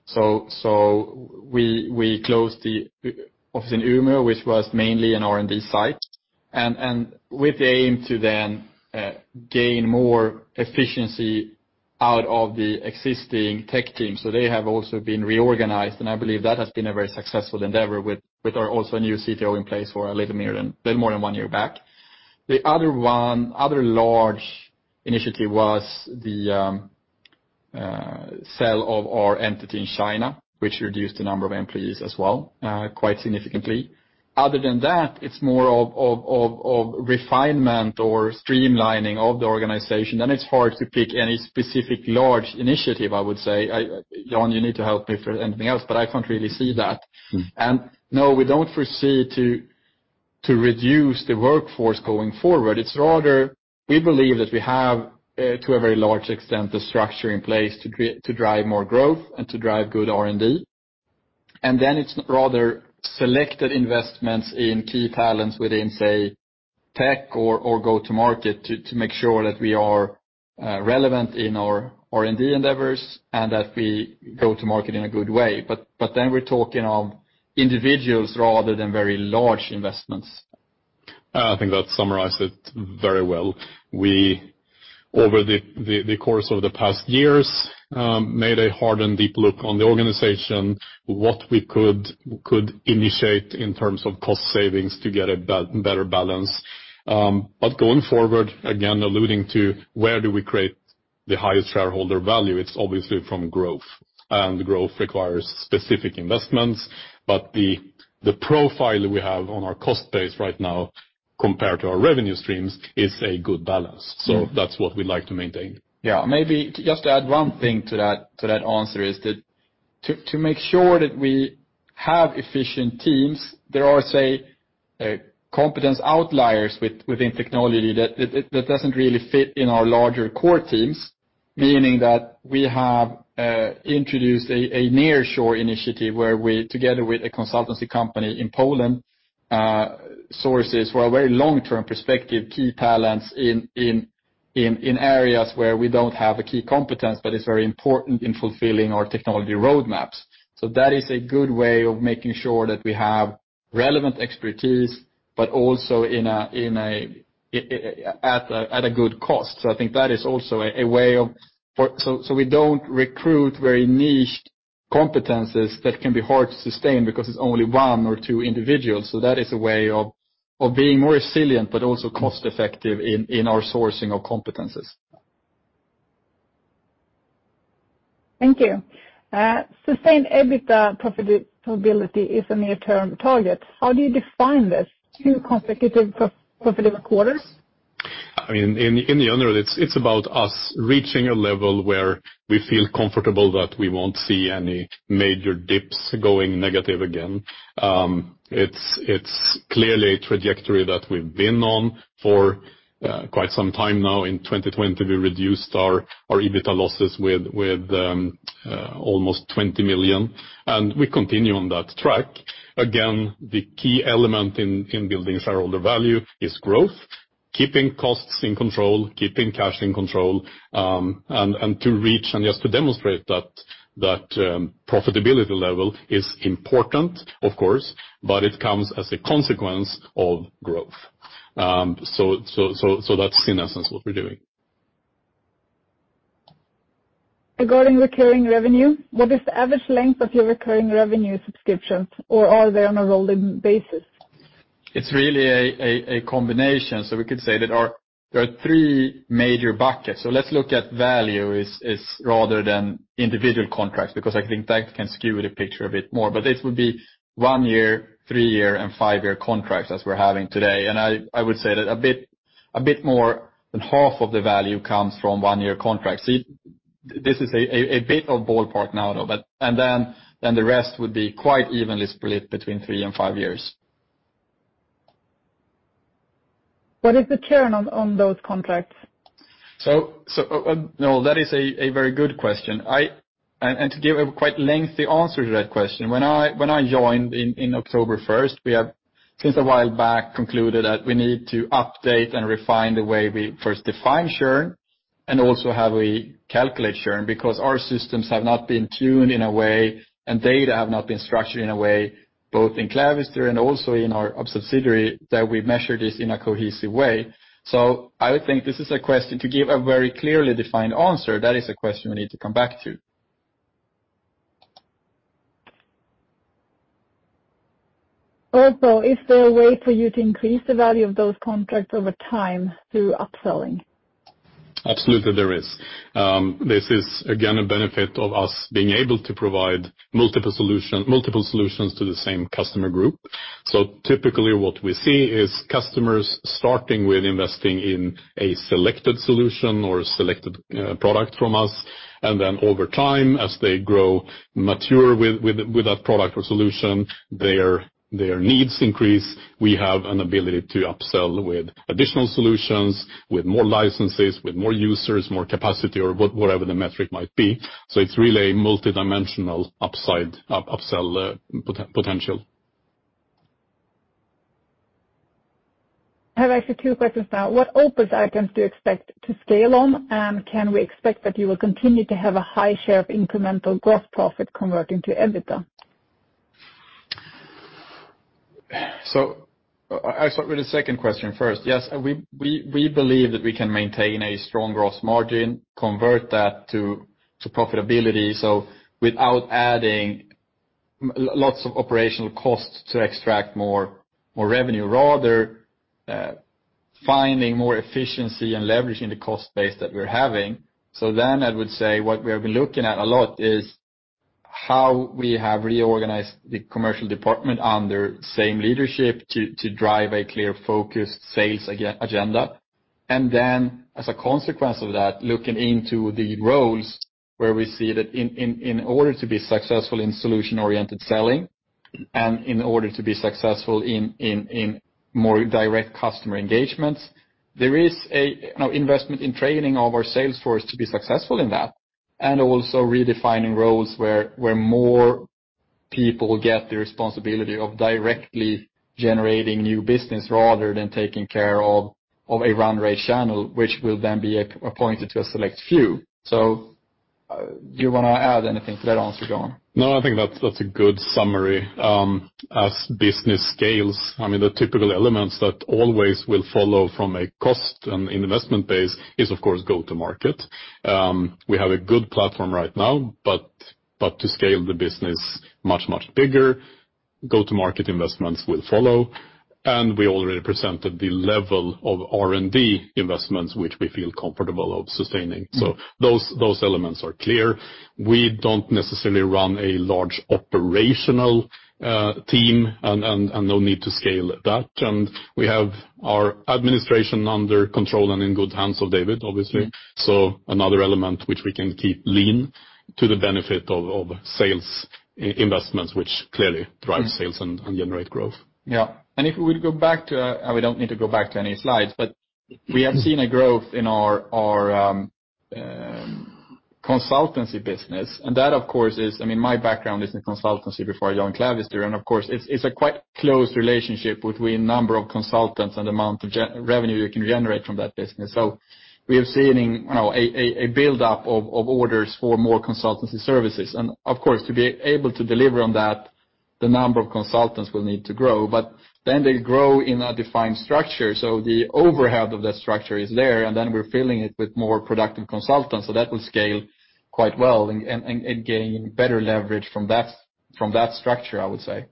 S4: We closed the office in Umeå, which was mainly an R&D site, and with the aim to then gain more efficiency out of the existing tech team. They have also been reorganized, and I believe that has been a very successful endeavor with our also new CTO in place for a little more than one year back. The other one, other large initiative was the sell of our entity in China, which reduced the number of employees as well quite significantly. Other than that, it's more of refinement or streamlining of the organization. It's hard to pick any specific large initiative, I would say. John, you need to help me for anything else, but I can't really see that. No, we don't foresee to reduce the workforce going forward. It's rather we believe that we have to a very large extent, the structure in place to drive more growth and to drive good R&D. It's rather selected investments in key talents within, say, tech or go-to-market to make sure that we are relevant in our R&D endeavors and that we go to market in a good way. We're talking of individuals rather than very large investments.
S3: I think that summarized it very well. We, over the course of the past years, made a hard and deep look on the organization, what we could initiate in terms of cost savings to get a better balance. Going forward, again, alluding to where do we create the highest shareholder value, it's obviously from growth, and growth requires specific investments. The profile we have on our cost base right now compared to our revenue streams is a good balance. That's what we like to maintain.
S4: Yeah. Maybe just to add one thing to that, to that answer is that to make sure that we have efficient teams, there are, say, competence outliers within technology that doesn't really fit in our larger core teams. Meaning that we have introduced a nearshore initiative where we, together with a consultancy company in Poland, sources for a very long-term perspective, key talents in areas where we don't have a key competence, but it's very important in fulfilling our technology roadmaps. That is a good way of making sure that we have relevant expertise, but also at a good cost. I think that is also a way of we don't recruit very niche competencies that can be hard to sustain because it's only one or two individuals. That is a way of being more resilient, but also cost-effective in our sourcing of competencies.
S1: Thank you. Sustained EBITDA profitability is a near-term target. How do you define this? Two consecutive profitable quarters?
S3: I mean, in the end, it's about us reaching a level where we feel comfortable that we won't see any major dips going negative again. It's clearly a trajectory that we've been on for quite some time now. In 2020, we reduced our EBITDA losses with almost 20 million, and we continue on that track. The key element in building shareholder value is growth, keeping costs in control, keeping cash in control, and to reach and just to demonstrate that profitability level is important, of course, but it comes as a consequence of growth. So that's in essence what we're doing.
S1: Regarding recurring revenue, what is the average length of your recurring revenue subscriptions, or are they on a rolling basis?
S4: It's really a combination. We could say that there are three major buckets. Let's look at value is rather than individual contracts, because I think that can skew the picture a bit more. This would be one-year, three-year, and five-year contracts as we're having today. I would say that a bit more than half of the value comes from one-year contracts. This is a bit of ballpark now, though. Then the rest would be quite evenly split between three and five years.
S1: What is the churn on those contracts?
S4: No, that is a very good question. To give a quite lengthy answer to that question. When I joined in October 1st, we have since a while back concluded that we need to update and refine the way we first define churn and also how we calculate churn because our systems have not been tuned in a way and data have not been structured in a way, both in Clavister and also in our subsidiary, that we measure this in a cohesive way. I would think this is a question to give a very clearly defined answer. That is a question we need to come back to.
S1: Is there a way for you to increase the value of those contracts over time through upselling?
S3: Absolutely, there is. This is again a benefit of us being able to provide multiple solutions to the same customer group. Typically what we see is customers starting with investing in a selected solution or a selected product from us. Over time, as they grow mature with that product or solution, their needs increase. We have an ability to upsell with additional solutions, with more licenses, with more users, more capacity or whatever the metric might be. It's really a multidimensional upsell potential.
S1: I have actually two questions now. What OpEx items do you expect to scale on? Can we expect that you will continue to have a high share of incremental gross profit converting to EBITDA?
S4: I'll start with the second question first. Yes, we believe that we can maintain a strong gross margin, convert that to profitability. Without adding lots of operational costs to extract more revenue, rather, finding more efficiency and leveraging the cost base that we're having. I would say what we have been looking at a lot is how we have reorganized the commercial department under same leadership to drive a clear focused sales agenda. As a consequence of that, looking into the roles where we see that in order to be successful in solution-oriented selling and in order to be successful in more direct customer engagements, there is a, you know, investment in training of our sales force to be successful in that. Also redefining roles where more people get the responsibility of directly generating new business rather than taking care of a run rate channel, which will then be appointed to a select few. Do you wanna add anything to that answer, John?
S3: No, I think that's a good summary. As business scales, I mean, the typical elements that always will follow from a cost and investment base is, of course, go-to-market. We have a good platform right now, but to scale the business much bigger, go-to-market investments will follow. We already presented the level of R&D investments which we feel comfortable of sustaining. Those elements are clear. We don't necessarily run a large operational team and no need to scale that. We have our administration under control and in good hands of David, obviously. Another element which we can keep lean to the benefit of sales investments, which clearly drive sales and generate growth.
S4: Yeah. We don't need to go back to any slides, but we have seen a growth in our consultancy business. That, of course, I mean, my background is in consultancy before I joined Clavister. Of course, it's a quite close relationship between number of consultants and amount of revenue you can generate from that business. We have seen, you know, a build-up of orders for more consultancy services. Of course, to be able to deliver on that, the number of consultants will need to grow. They grow in a defined structure. The overhead of that structure is there, and then we're filling it with more productive consultants. That will scale quite well and gain better leverage from that structure, I would say.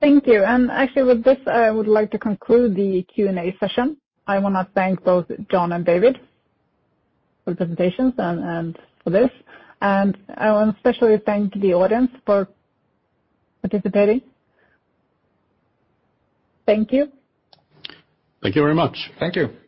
S1: Thank you. Actually, with this, I would like to conclude the Q&A session. I want to thank both John and David for the presentations and for this. I want to especially thank the audience for participating. Thank you.
S3: Thank you very much.
S4: Thank you.